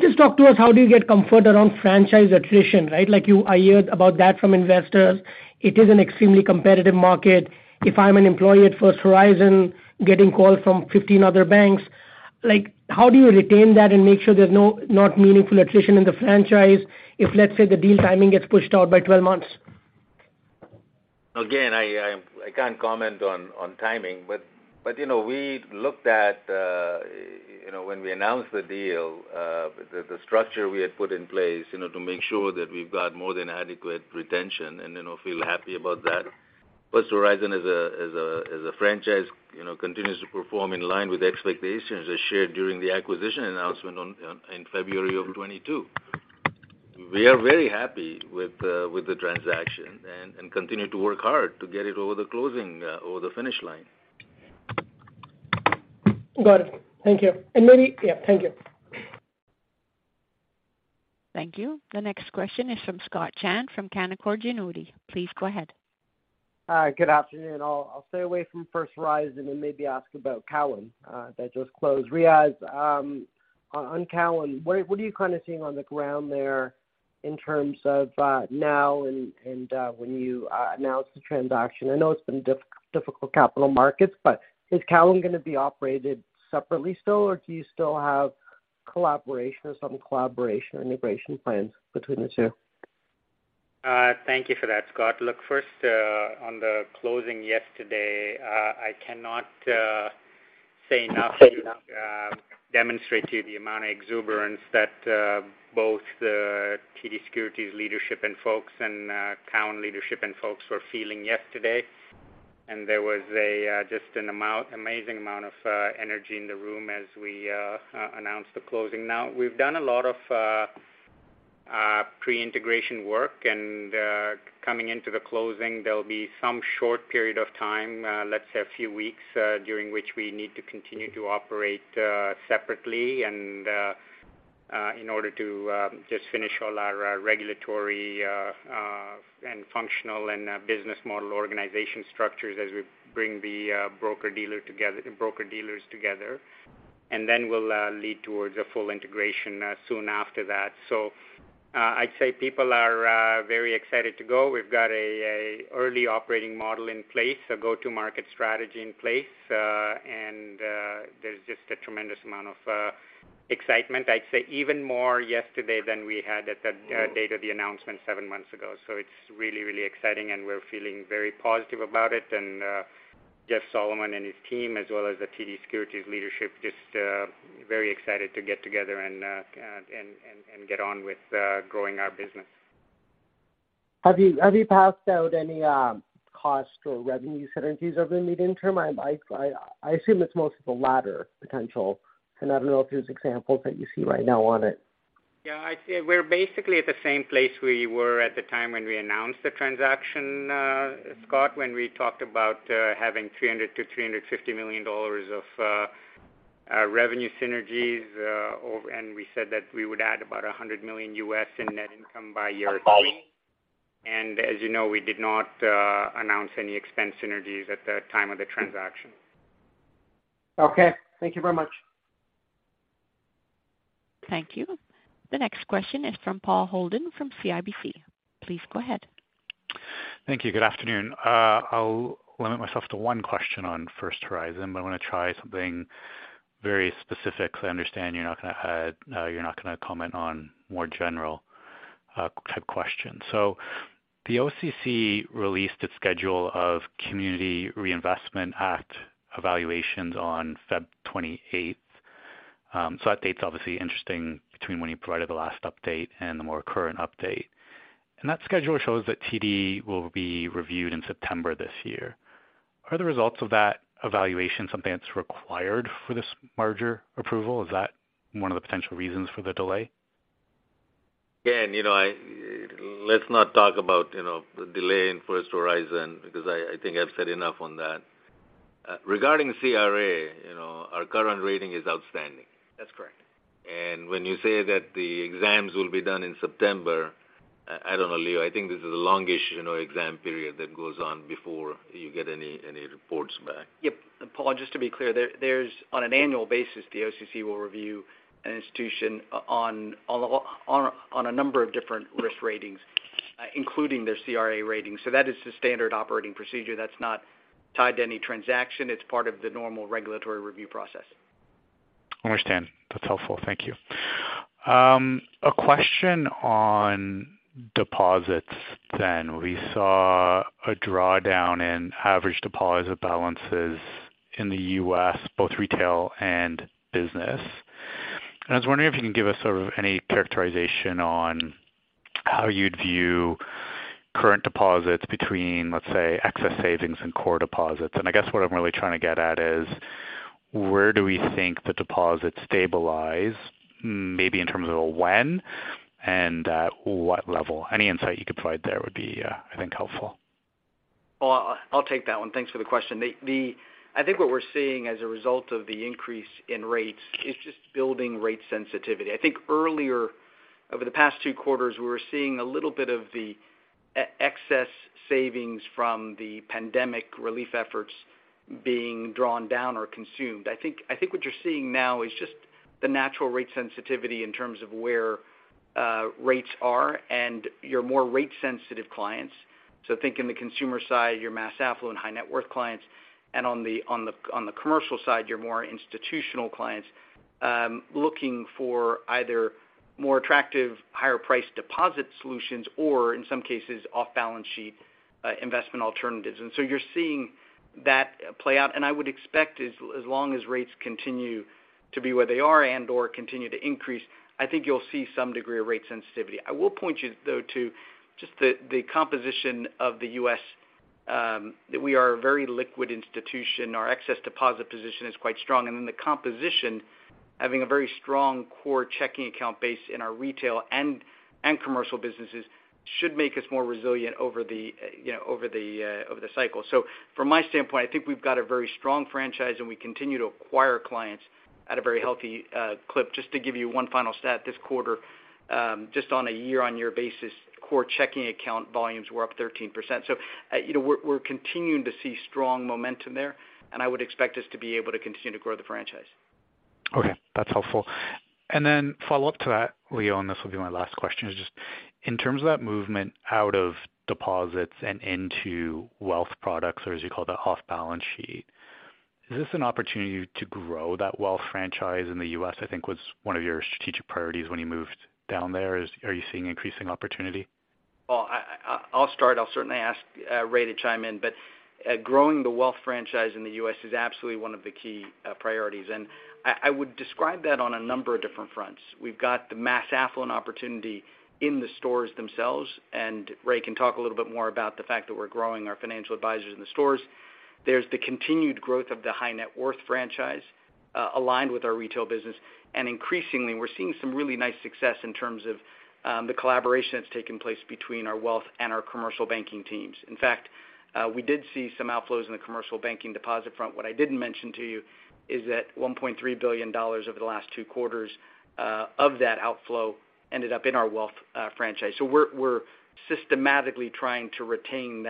just talk to us, how do you get comfort around franchise attrition, right? Like you, I heard about that from investors. It is an extremely competitive market. If I'm an employee at First Horizon getting calls from 15 other banks, like, how do you retain that and make sure there's not meaningful attrition in the franchise if, let's say, the deal timing gets pushed out by 12 months? Again, I can't comment on timing. You know, we looked at, you know, when we announced the deal, the structure we had put in place, you know, to make sure that we've got more than adequate retention and, you know, feel happy about that. First Horizon as a franchise, you know, continues to perform in line with the expectations as shared during the acquisition announcement in February of 2022. We are very happy with the transaction and continue to work hard to get it over the closing over the finish line. Got it. Thank you. Yeah, thank you. Thank you. The next question is from Scott Chan from Canaccord Genuity. Please go ahead. Hi, good afternoon. I'll stay away from First Horizon and maybe ask about Cowen that just closed. Riaz, on Cowen, what are you kinda seeing on the ground there in terms of now and when you announced the transaction? I know it's been difficult capital markets, but is Cowen gonna be operated separately still, or do you still have collaboration or some collaboration or integration plans between the two? Thank you for that, Scott. Look, first, on the closing yesterday, I cannot say enough. Say enough. demonstrate to you the amount of exuberance that both the TD Securities leadership and folks and Cowen leadership and folks were feeling yesterday. There was just an amazing amount of energy in the room as we announced the closing. We've done a lot of pre-integration work and coming into the closing, there'll be some short period of time, let's say a few weeks, during which we need to continue to operate separately and in order to just finish all our regulatory and functional and business model organization structures as we bring the broker-dealers together. Then we'll lead towards a full integration soon after that. I'd say people are very excited to go. We've got a early operating model in place, a go-to-market strategy in place, and, there's just a tremendous amount of, excitement, I'd say even more yesterday than we had at the, date of the announcement seven months ago. It's really, really exciting, and we're feeling very positive about it. Jeffrey Solomon and his team, as well as the TD Securities leadership, just, very excited to get together and get on with, growing our business. Have you passed out any cost or revenue synergies over the medium term? I assume it's most of the latter potential, and I don't know if there's examples that you see right now on it. Yeah, I'd say we're basically at the same place we were at the time when we announced the transaction, Scott, when we talked about having $300 million-$350 million of revenue synergies, and we said that we would add about $100 million US in net income by year three. As you know, we did not announce any expense synergies at the time of the transaction. Okay. Thank you very much. Thank you. The next question is from Paul Holden from CIBC. Please go ahead. Thank you. Good afternoon. I'll limit myself to one question on First Horizon, but I wanna try something very specific 'cause I understand you're not gonna, you're not gonna comment on more general type questions. The OCC released its schedule of Community Reinvestment Act evaluations on Feb twenty-eighth. That date's obviously interesting between when you provided the last update and the more current update. That schedule shows that TD will be reviewed in September this year. Are the results of that evaluation something that's required for this merger approval? Is that one of the potential reasons for the delay? Again, you know, let's not talk about, you know, the delay in First Horizon because I think I've said enough on that. Regarding CRA, you know, our current rating is outstanding. That's correct. When you say that the exams will be done in September, I don't know, Leo, I think this is the longest, you know, exam period that goes on before you get any reports back. Yep. Paul, just to be clear, there's on an annual basis, the OCC will review an institution on a number of different risk ratings, including their CRA ratings. That is the standard operating procedure that's not tied to any transaction. It's part of the normal regulatory review process. Understand. That's helpful. Thank you. A question on deposits then. We saw a drawdown in average deposit balances in the U.S., both retail and business. I was wondering if you can give us sort of any characterization on how you'd view current deposits between, let's say, excess savings and core deposits. I guess what I'm really trying to get at is where do we think the deposits stabilize, maybe in terms of a when and at what level? Any insight you could provide there would be, I think helpful. I'll take that one. Thanks for the question. I think what we're seeing as a result of the increase in rates is just building rate sensitivity. I think earlier, over the past two quarters, we were seeing a little bit of the excess savings from the pandemic relief efforts being drawn down or consumed. I think what you're seeing now is just the natural rate sensitivity in terms of where rates are and your more rate sensitive clients. So think in the consumer side, your mass affluent, high net worth clients, and on the commercial side, your more institutional clients, looking for either more attractive, higher priced deposit solutions or in some cases, off balance sheet, investment alternatives. You're seeing that play out. I would expect as long as rates continue to be where they are and/or continue to increase, I think you'll see some degree of rate sensitivity. I will point you though to just the composition of the U.S. that we are a very liquid institution. Our excess deposit position is quite strong. In the composition, having a very strong core checking account base in our retail and commercial businesses should make us more resilient over the, you know, over the cycle. From my standpoint, I think we've got a very strong franchise, and we continue to acquire clients at a very healthy clip. Just to give you one final stat this quarter, just on a year-over-year basis, core checking account volumes were up 13%. You know, we're continuing to see strong momentum there, and I would expect us to be able to continue to grow the franchise. Okay, that's helpful. Follow up to that, Leo, this will be my last question. Just in terms of that movement out of deposits and into wealth products, or as you call the off balance sheet, is this an opportunity to grow that wealth franchise in the U.S.? I think was one of your strategic priorities when you moved down there. Are you seeing increasing opportunity? I'll start. I'll certainly ask Ray to chime in. Growing the wealth franchise in the U.S. is absolutely one of the key priorities. I would describe that on a number of different fronts. We've got the mass affluent opportunity in the stores themselves, and Ray can talk a little bit more about the fact that we're growing our financial advisors in the stores. There's the continued growth of the high net worth franchise aligned with our retail business. Increasingly, we're seeing some really nice success in terms of the collaboration that's taken place between our wealth and our commercial banking teams. In fact, we did see some outflows in the commercial banking deposit front. What I didn't mention to you is that 1.3 billion dollars over the last two quarters, of that outflow ended up in our wealth franchise. We're systematically trying to retain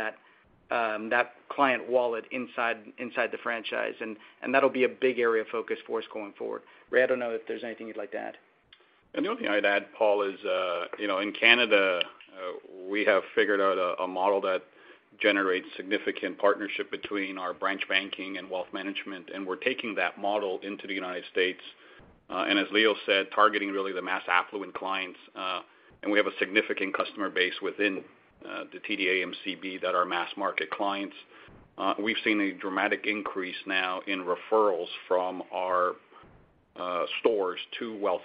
that client wallet inside the franchise, and that'll be a big area of focus for us going forward. Ray, I don't know if there's anything you'd like to add. The only thing I'd add, Paul, is, you know, in Canada, we have figured out a model that generates significant partnership between our branch banking and wealth management, and we're taking that model into the United States. As Leo said, targeting really the mass affluent clients. We have a significant customer base within the TD AMCB that are mass market clients. We've seen a dramatic increase now in referrals from our stores to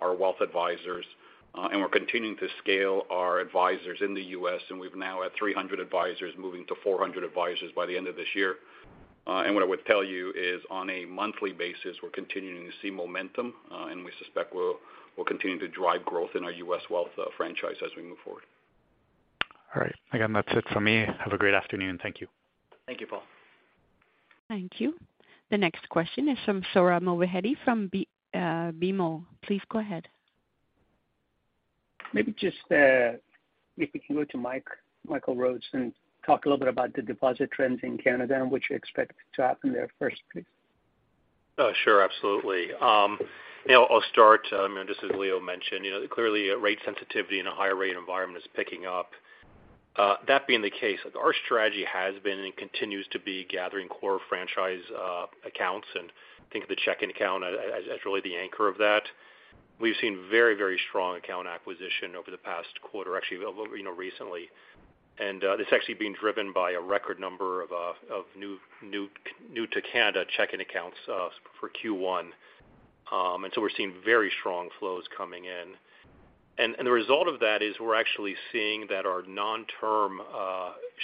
our wealth advisors, we're continuing to scale our advisors in the U.S., and we've now at 300 advisors moving to 400 advisors by the end of this year. What I would tell you is on a monthly basis, we're continuing to see momentum, and we suspect we'll continue to drive growth in our US wealth franchise as we move forward. All right. Again, that's it for me. Have a great afternoon. Thank you. Thank you, Paul. Thank you. The next question is from Sohrab Movahedi from BMO. Please go ahead. Maybe just, if we can go to Michael Rhodes and talk a little bit about the deposit trends in Canada and what you expect to happen there first, please. Sure. Absolutely. You know, I'll start, you know, just as Leo mentioned, you know, clearly rate sensitivity in a higher rate environment is picking up. That being the case, our strategy has been and continues to be gathering core franchise accounts and think of the checking account as really the anchor of that. We've seen very strong account acquisition over the past quarter, actually, you know, recently. It's actually being driven by a record number of new to Canada checking accounts for Q1. We're seeing very strong flows coming in. The result of that is we're actually seeing that our non-term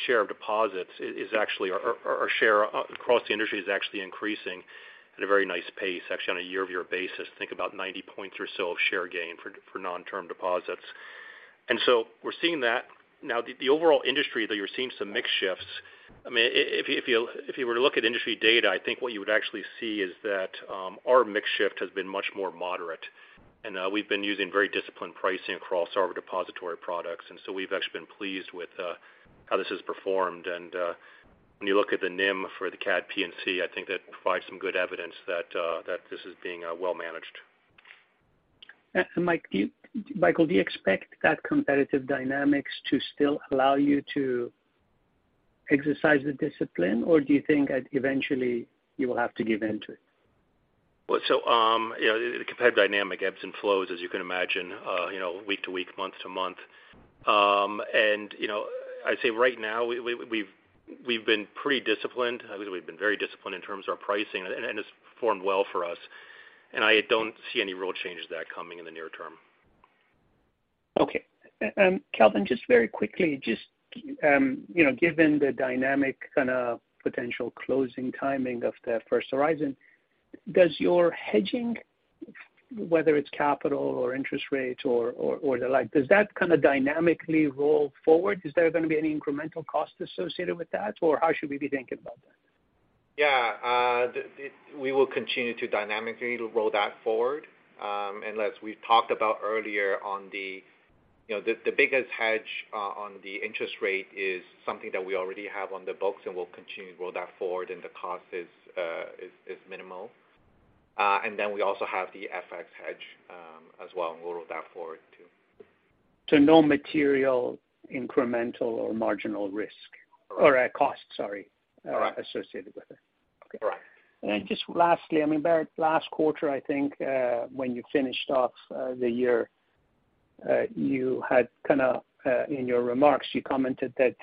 share of deposits is actually our share across the industry is actually increasing at a very nice pace, actually on a year-over-year basis. Think about 90 points or so of share gain for non-term deposits. We're seeing that. Now the overall industry though you're seeing some mix shifts. I mean, if you were to look at industry data, I think what you would actually see is that our mix shift has been much more moderate, and we've been using very disciplined pricing across our depository products, we've actually been pleased with how this has performed. When you look at the NIM for the CAD P&C, I think that provides some good evidence that this is being well managed. Mike, Michael, do you expect that competitive dynamics to still allow you to exercise the discipline, or do you think that eventually you will have to give in to it? You know, the competitive dynamic ebbs and flows as you can imagine, you know, week to week, month to month. You know, I'd say right now we've been pretty disciplined. I believe we've been very disciplined in terms of our pricing and it's performed well for us, and I don't see any real change to that coming in the near term. Okay. Calvin, just very quickly, just, you know, given the dynamic kind of potential closing timing of the First Horizon, does your hedging, whether it's capital or interest rates or the like, does that kind of dynamically roll forward? Is there gonna be any incremental cost associated with that? Or how should we be thinking about that? Yeah. We will continue to dynamically roll that forward. As we've talked about earlier on the, you know, the biggest hedge on the interest rate is something that we already have on the books, and we'll continue to roll that forward and the cost is minimal. We also have the FX hedge as well, and we'll roll that forward too. No material incremental or marginal risk or, cost. Correct. associated with it? Correct. Just lastly, I mean, Bharat, last quarter I think, when you finished off the year, you had kind of in your remarks you commented that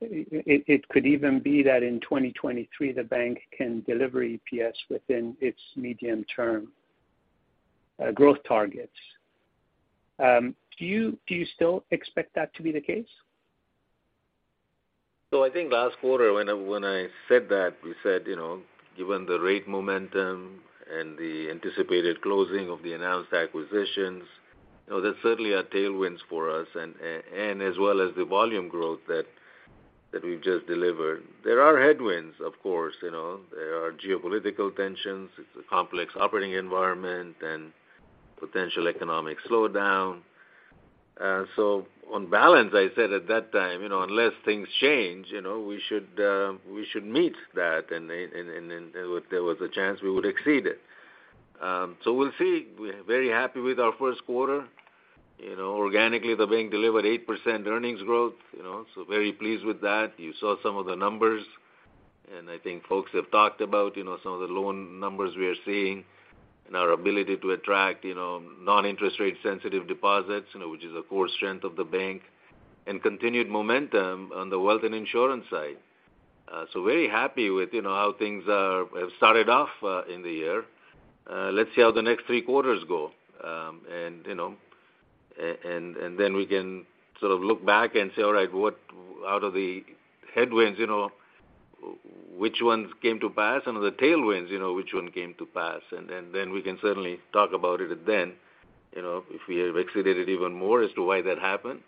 it could even be that in 2023 the bank can deliver EPS within its medium-term growth targets. Do you still expect that to be the case? I think last quarter when I said that, we said, you know, given the rate momentum and the anticipated closing of the announced acquisitions, you know, that's certainly a tailwinds for us and as well as the volume growth that we've just delivered. There are headwinds of course you know. There are geopolitical tensions. It's a complex operating environment and potential economic slowdown. On balance I said at that time, you know, unless things change, you know, we should meet that and then there was a chance we would exceed it. We'll see. We're very happy with our first quarter. You know, organically the bank delivered 8% earnings growth, you know, so very pleased with that. You saw some of the numbers. I think folks have talked about, you know, some of the loan numbers we are seeing and our ability to attract, you know, non-interest rate sensitive deposits, you know, which is a core strength of the bank and continued momentum on the wealth and insurance side. Very happy with, you know, how things have started off in the year. Let's see how the next three quarters go. You know, and then we can sort of look back and say, all right, what out of the headwinds, you know, which ones came to pass and of the tailwinds, you know, which one came to pass. And then we can certainly talk about it then, you know, if we have exceeded it even more as to why that happened.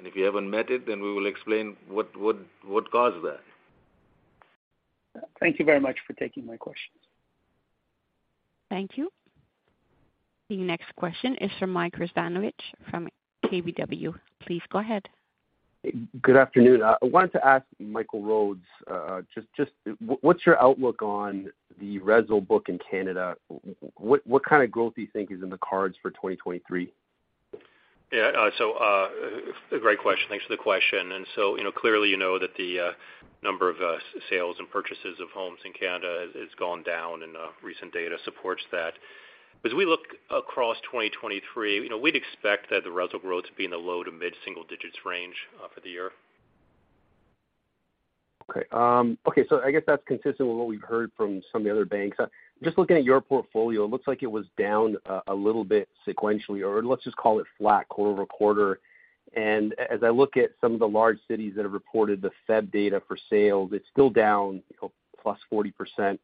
If you haven't met it, then we will explain what caused that. Thank you very much for taking my questions. Thank you. The next question is from Mike Rizvanovic from KBW. Please go ahead. Good afternoon. I wanted to ask Michael Rhodes, just what's your outlook on the resi book in Canada? What kind of growth do you think is in the cards for 2023? Yeah. A great question. Thanks for the question. You know, clearly you know that the number of sales and purchases of homes in Canada has gone down and recent data supports that. As we look across 2023, you know, we'd expect that the resi growth to be in the low to mid single-digits range for the year. Okay. I guess that's consistent with what we've heard from some of the other banks. Just looking at your portfolio, it looks like it was down a little bit sequentially, or let's just call it flat quarter-over-quarter. As I look at some of the large cities that have reported the Fed data for sales, it's still down, you know, +40%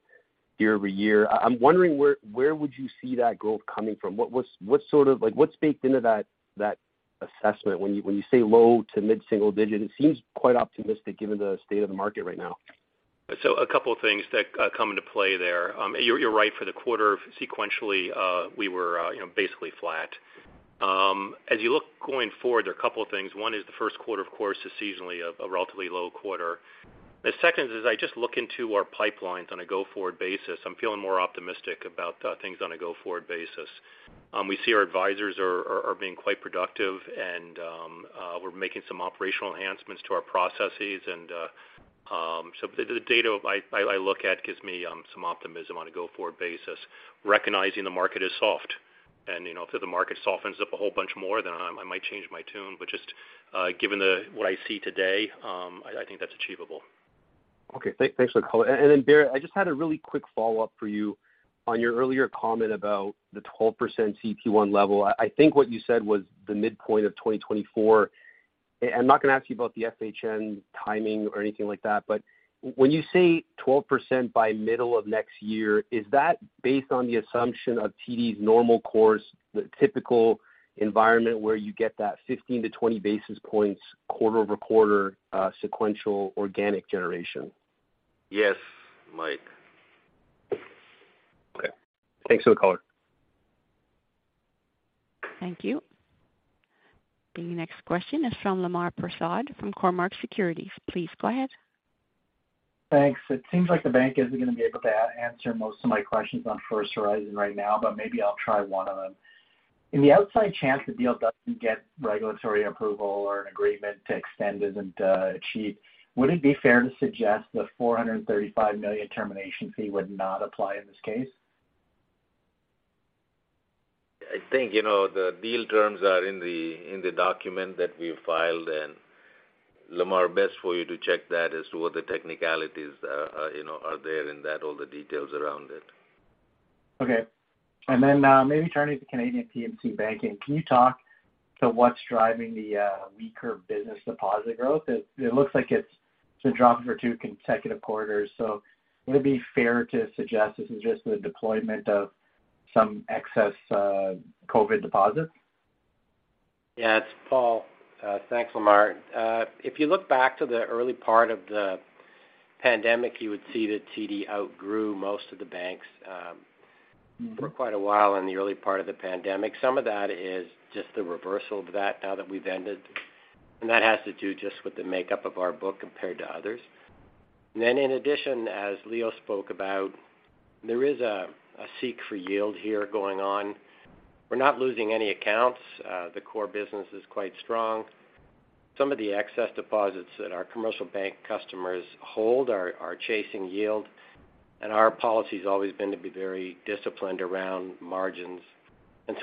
year-over-year. I'm wondering where would you see that growth coming from? What sort of like, what's baked into that assessment when you say low to mid single digit? It seems quite optimistic given the state of the market right now. A couple of things that come into play there. You're right for the quarter sequentially, we were, you know, basically flat. As you look going forward, there are a couple of things. One is the first quarter, of course, is seasonally a relatively low quarter. The second is I just look into our pipelines on a go-forward basis. I'm feeling more optimistic about things on a go-forward basis. We see our advisors are being quite productive and we're making some operational enhancements to our processes and so the data I look at gives me some optimism on a go-forward basis, recognizing the market is soft. You know, if the market softens up a whole bunch more, then I might change my tune. Just, given what I see today, I think that's achievable. Okay. Thanks for the call. Bharat, I just had a really quick follow-up for you on your earlier comment about the 12% CET1 level. I think what you said was the midpoint of 2024. I'm not gonna ask you about the FHN timing or anything like that, when you say 12% by middle of next year, is that based on the assumption of TD's normal course, the typical environment where you get that 15-20 basis points quarter-over-quarter sequential organic generation? Yes, Mike. Okay. Thanks for the call. Thank you. The next question is from Lemar Persaud from Cormark Securities. Please go ahead. Thanks. It seems like the bank isn't gonna be able to answer most of my questions on First Horizon right now, but maybe I'll try one of them. In the outside chance the deal doesn't get regulatory approval or an agreement to extend isn't achieved, would it be fair to suggest the $435 million termination fee would not apply in this case? I think, you know, the deal terms are in the, in the document that we've filed. Lamar, best for you to check that as to what the technicalities are, you know, are there in that, all the details around it. Okay. Then, maybe turning to Canadian P&C Banking. Can you talk to what's driving the weaker business deposit growth? It looks like it's been dropping for two consecutive quarters. Would it be fair to suggest this is just the deployment of some excess, COVID deposits? Yeah, it's Paul. Thanks, Lemar. If you look back to the early part of the pandemic, you would see that TD outgrew most of the banks. Mm-hmm. For quite a while in the early part of the pandemic. Some of that is just the reversal of that now that we've ended, and that has to do just with the makeup of our book compared to others. In addition, as Leo spoke about, there is a seek for yield here going on. We're not losing any accounts. The core business is quite strong. Some of the excess deposits that our commercial bank customers hold are chasing yield, and our policy's always been to be very disciplined around margins.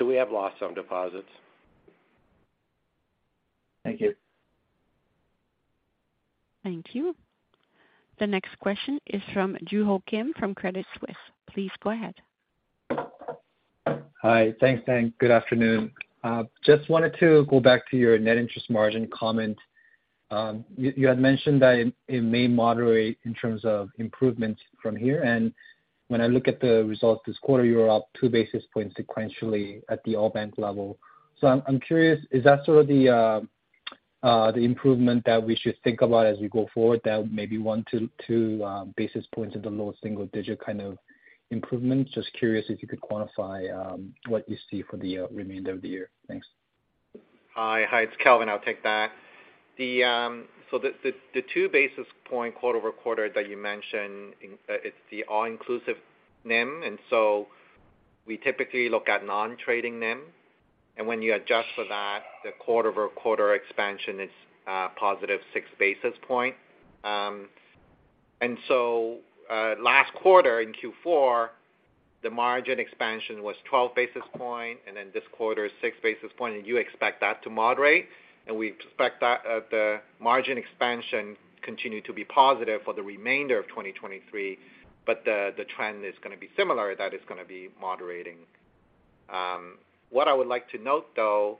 We have lost some deposits. Thank you. Thank you. The next question is from Joo Ho Kim from Credit Suisse. Please go ahead. Hi. Thanks, and good afternoon. Just wanted to go back to your net interest margin comment. You had mentioned that it may moderate in terms of improvements from here. When I look at the results this quarter, you're up two basis points sequentially at the all bank level. I'm curious, is that sort of the improvement that we should think about as we go forward, that maybe one to two basis points of the low single digit kind of improvements? Curious if you could quantify what you see for the remainder of the year. Thanks. Hi. It's Calvin. I'll take that. The two basis points quarter-over-quarter that you mentioned, it's the all-inclusive NIM. We typically look at non-trading NIM. When you adjust for that, the quarter-over-quarter expansion is positive six basis points. Last quarter in Q4, the margin expansion was 12 basis points, and then this quarter six basis points, and you expect that to moderate. We expect that the margin expansion continue to be positive for the remainder of 2023, but the trend is gonna be similar, that it's gonna be moderating. What I would like to note, though,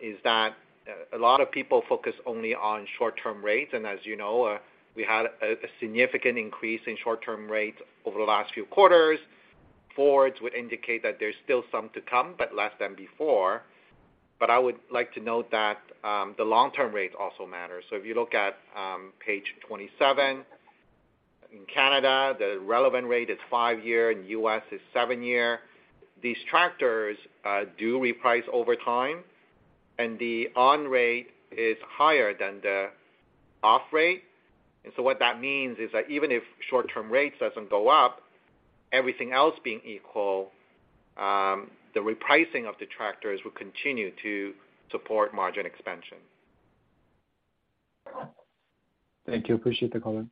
is that a lot of people focus only on short-term rates, and as you know, we had a significant increase in short-term rates over the last few quarters. Forwards would indicate that there's still some to come, but less than before. I would like to note that the long-term rates also matter. If you look at page 27, in Canada, the relevant rate is five year, in US it's seven year. These trackers do reprice over time, and the on rate is higher than the off rate. What that means is that even if short-term rates doesn't go up, everything else being equal, the repricing of the trackers will continue to support margin expansion. Thank you. Appreciate the comment.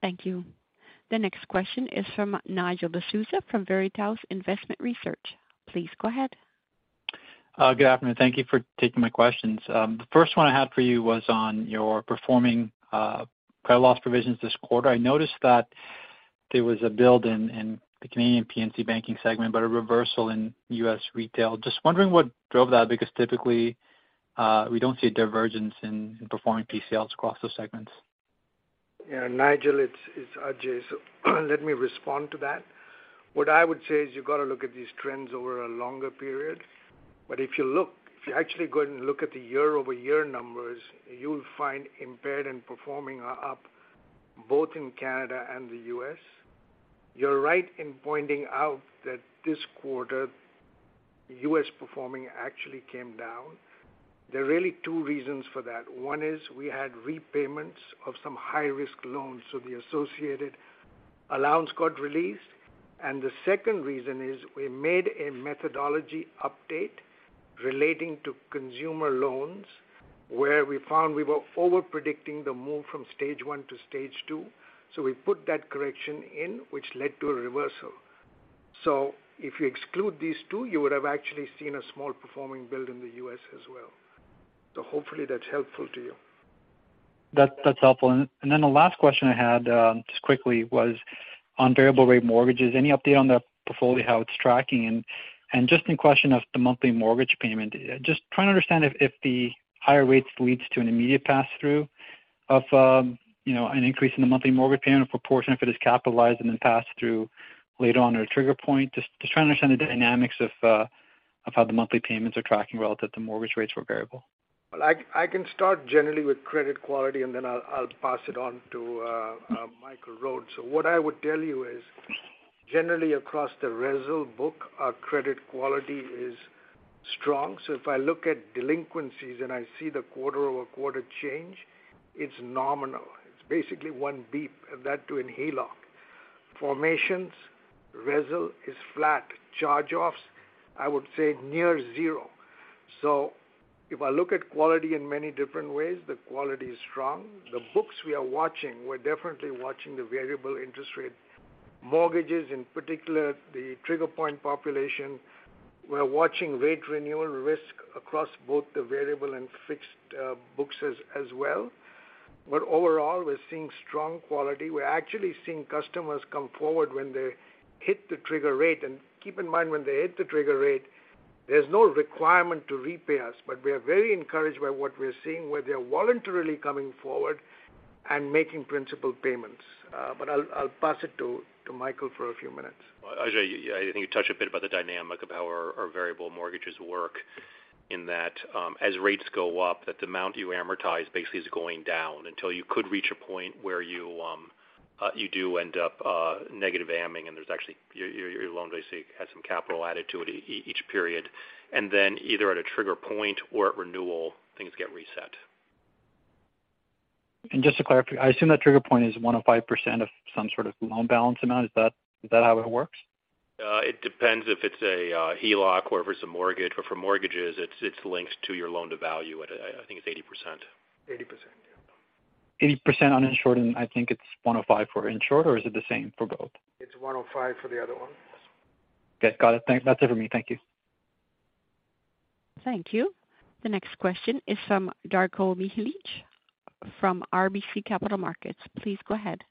Thank you. The next question is from Nigel D'Souza from Veritas Investment Research. Please go ahead. Good afternoon. Thank you for taking my questions. The first one I had for you was on your performing credit loss provisions this quarter. I noticed that there was a build in the Canadian P&C Banking segment. A reversal in U.S. Retail. Just wondering what drove that. Typically, we don't see a divergence in performing PCLs across those segments. Yeah, Nigel, it's Ajai. Let me respond to that. What I would say is you've got to look at these trends over a longer period. If you actually go and look at the year-over-year numbers, you'll find impaired and performing are up both in Canada and the US. You're right in pointing out that this quarter, US performing actually came down. There are really two reasons for that. One is we had repayments of some high-risk loans, so the associated allowance got released. The second reason is we made a methodology update relating to consumer loans, where we found we were over-predicting the move from stage ons to stage two. We put that correction in, which led to a reversal. If you exclude these two, you would have actually seen a small performing build in the US as well. Hopefully that's helpful to you. That's helpful. The last question I had, just quickly was on variable rate mortgages. Any update on the portfolio, how it's tracking? Just in question of the monthly mortgage payment, just trying to understand if the higher rates leads to an immediate passthrough of, you know, an increase in the monthly mortgage payment or proportion if it is capitalized and then passed through later on or a trigger point. Just trying to understand the dynamics of how the monthly payments are tracking relative to mortgage rates were variable? Well, I can start generally with credit quality, and then I'll pass it on to Michael Rhodes. What I would tell you is generally across the resi book, our credit quality is strong. If I look at delinquencies and I see the quarter-over-quarter change, it's nominal. It's basically one bp, and that too in HELOC. Formations, resi is flat. Charge-offs, I would say near zero. If I look at quality in many different ways, the quality is strong. The books we are watching, we're definitely watching the variable interest rate mortgages, in particular the trigger point population. We're watching rate renewal risk across both the variable and fixed books as well. Overall, we're seeing strong quality. We're actually seeing customers come forward when they hit the trigger rate. Keep in mind, when they hit the trigger rate, there's no requirement to repay us, but we are very encouraged by what we're seeing, where they are voluntarily coming forward and making principal payments. I'll pass it to Michael for a few minutes. Well, Ajai, I think you touched a bit about the dynamic of how our variable mortgages work in that, as rates go up, that the amount you amortize basically is going down until you could reach a point where you do end up negative amming and there's actually your loan basically has some capital added to it each period. Either at a trigger point or at renewal, things get reset. Just to clarify, I assume that trigger point is 105% of some sort of loan balance amount. Is that how it works? It depends if it's a HELOC or if it's a mortgage. For mortgages, it's linked to your loan-to-value at, I think it's 80%. 80%, yeah. 80% uninsured, and I think it's 105% for insured, or is it the same for both? It's 105 for the other ones. Okay, got it. Thanks. That's it for me. Thank you. Thank you. The next question is from Darko Mihelic from RBC Capital Markets. Please go ahead.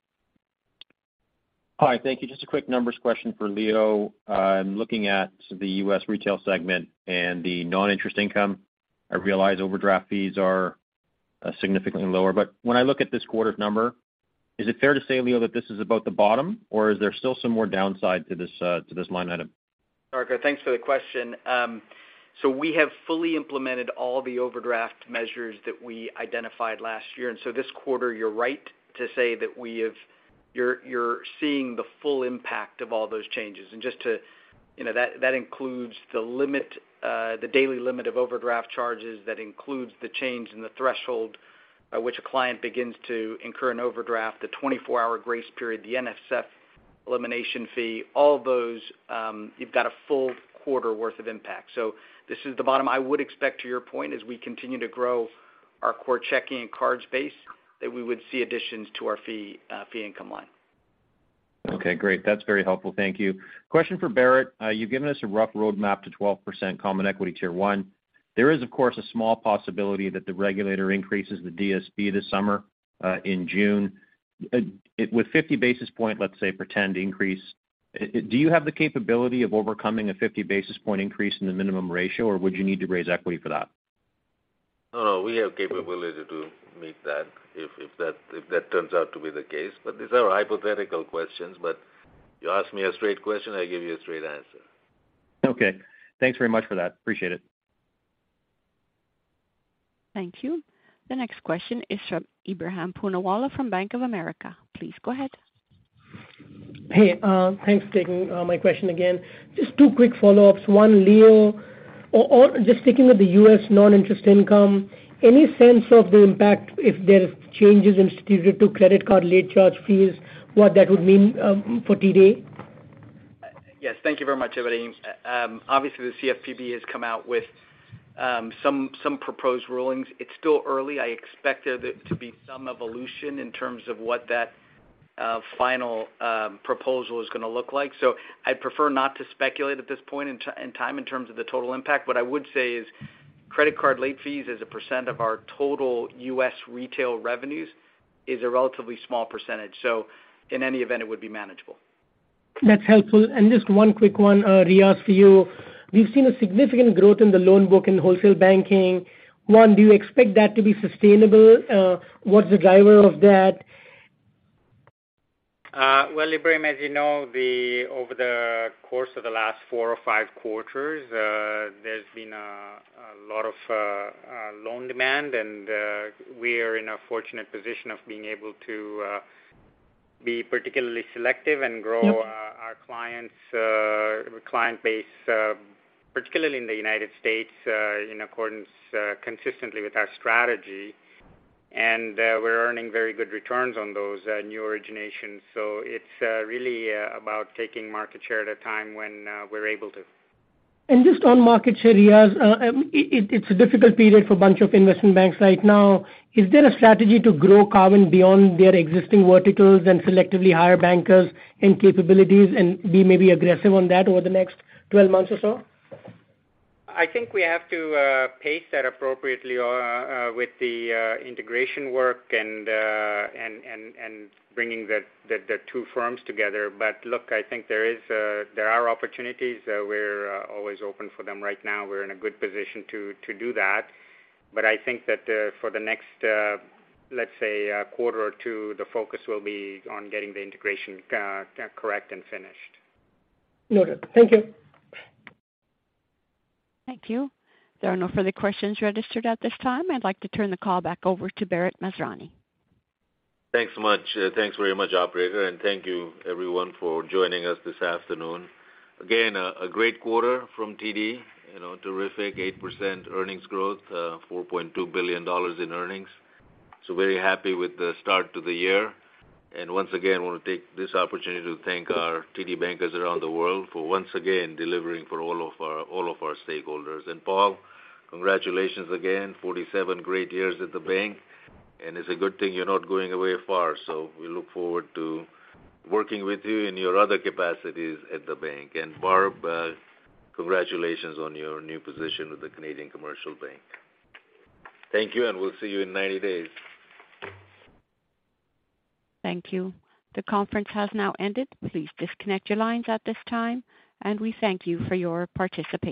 Hi. Thank you. Just a quick numbers question for Leo. I'm looking at the U.S. retail segment and the non-interest income. I realize overdraft fees are significantly lower. When I look at this quarter's number, is it fair to say, Leo, that this is about the bottom, or is there still some more downside to this to this line item? Darko, thanks for the question. We have fully implemented all the overdraft measures that we identified last year. This quarter, you're right to say that you're seeing the full impact of all those changes. Just to You know, that includes the limit, the daily limit of overdraft charges. That includes the change in the threshold at which a client begins to incur an overdraft, the 24-hour grace period, the NSF elimination fee, all those, you've got a full quarter worth of impact. This is the bottom I would expect to your point as we continue to grow our core checking and cards base, that we would see additions to our fee income line. Okay, great. That's very helpful. Thank you. Question for Bharat. You've given us a rough roadmap to 12% common equity tier one. There is, of course, a small possibility that the regulator increases the DSB this summer, in June. With 50 basis point, let's say, pretend increase, do you have the capability of overcoming a 50 basis point increase in the minimum ratio, or would you need to raise equity for that? No, we have capability to meet that if that turns out to be the case. These are hypothetical questions, but you ask me a straight question, I give you a straight answer. Okay. Thanks very much for that. Appreciate it. Thank you. The next question is from Ebrahim Poonawala from Bank of America. Please go ahead. Hey, thanks for taking my question again. Just two quick follow-ups. One, Leo, or just sticking with the U.S. non-interest income, any sense of the impact if there are changes instituted to credit card late charge fees, what that would mean for TD? Yes. Thank you very much, Ebrahim. Obviously, the CFPB has come out with some proposed rulings. It's still early. I expect there to be some evolution in terms of what that final proposal is gonna look like. I'd prefer not to speculate at this point in time in terms of the total impact. What I would say is credit card late fees as a % of our total U.S. retail revenues is a relatively small percentage. In any event, it would be manageable. That's helpful. Just one quick one, Riaz, for you. We've seen a significant growth in the loan book in Wholesale Banking. one, do you expect that to be sustainable? What's the driver of that? Well, Ebrahim, as you know, over the course of the last four or five quarters, there's been a lot of loan demand, and we're in a fortunate position of being able to be particularly selective. Yep. Our clients, client base, particularly in the United States, in accordance, consistently with our strategy. We're earning very good returns on those new originations. It's really about taking market share at a time when we're able to. Just on market share, Riaz, it's a difficult period for a bunch of investment banks right now. Is there a strategy to grow Cowen beyond their existing verticals and selectively hire bankers and capabilities and be maybe aggressive on that over the next 12 months or so? I think we have to pace that appropriately with the integration work and bringing the two firms together. Look, I think there is there are opportunities. We're always open for them right now. We're in a good position to do that. I think that for the next let's say a quarter or two, the focus will be on getting the integration correct and finished. Noted. Thank you. Thank you. There are no further questions registered at this time. I'd like to turn the call back over to Bharat Masrani. Thanks much. Thanks very much, operator, and thank you everyone for joining us this afternoon. Again, a great quarter from TD. You know, terrific 8% earnings growth, 4.2 billion dollars in earnings. Very happy with the start to the year. Once again, want to take this opportunity to thank our TD bankers around the world for once again delivering for all of our stakeholders. Paul, congratulations again, 47 great years at the bank, and it's a good thing you're not going away far. We look forward to working with you in your other capacities at the bank. Barb, congratulations on your new position with the Canadian Business Banking. Thank you, and we'll see you in 90 days. Thank you. The conference has now ended. Please disconnect your lines at this time, and we thank you for your participation.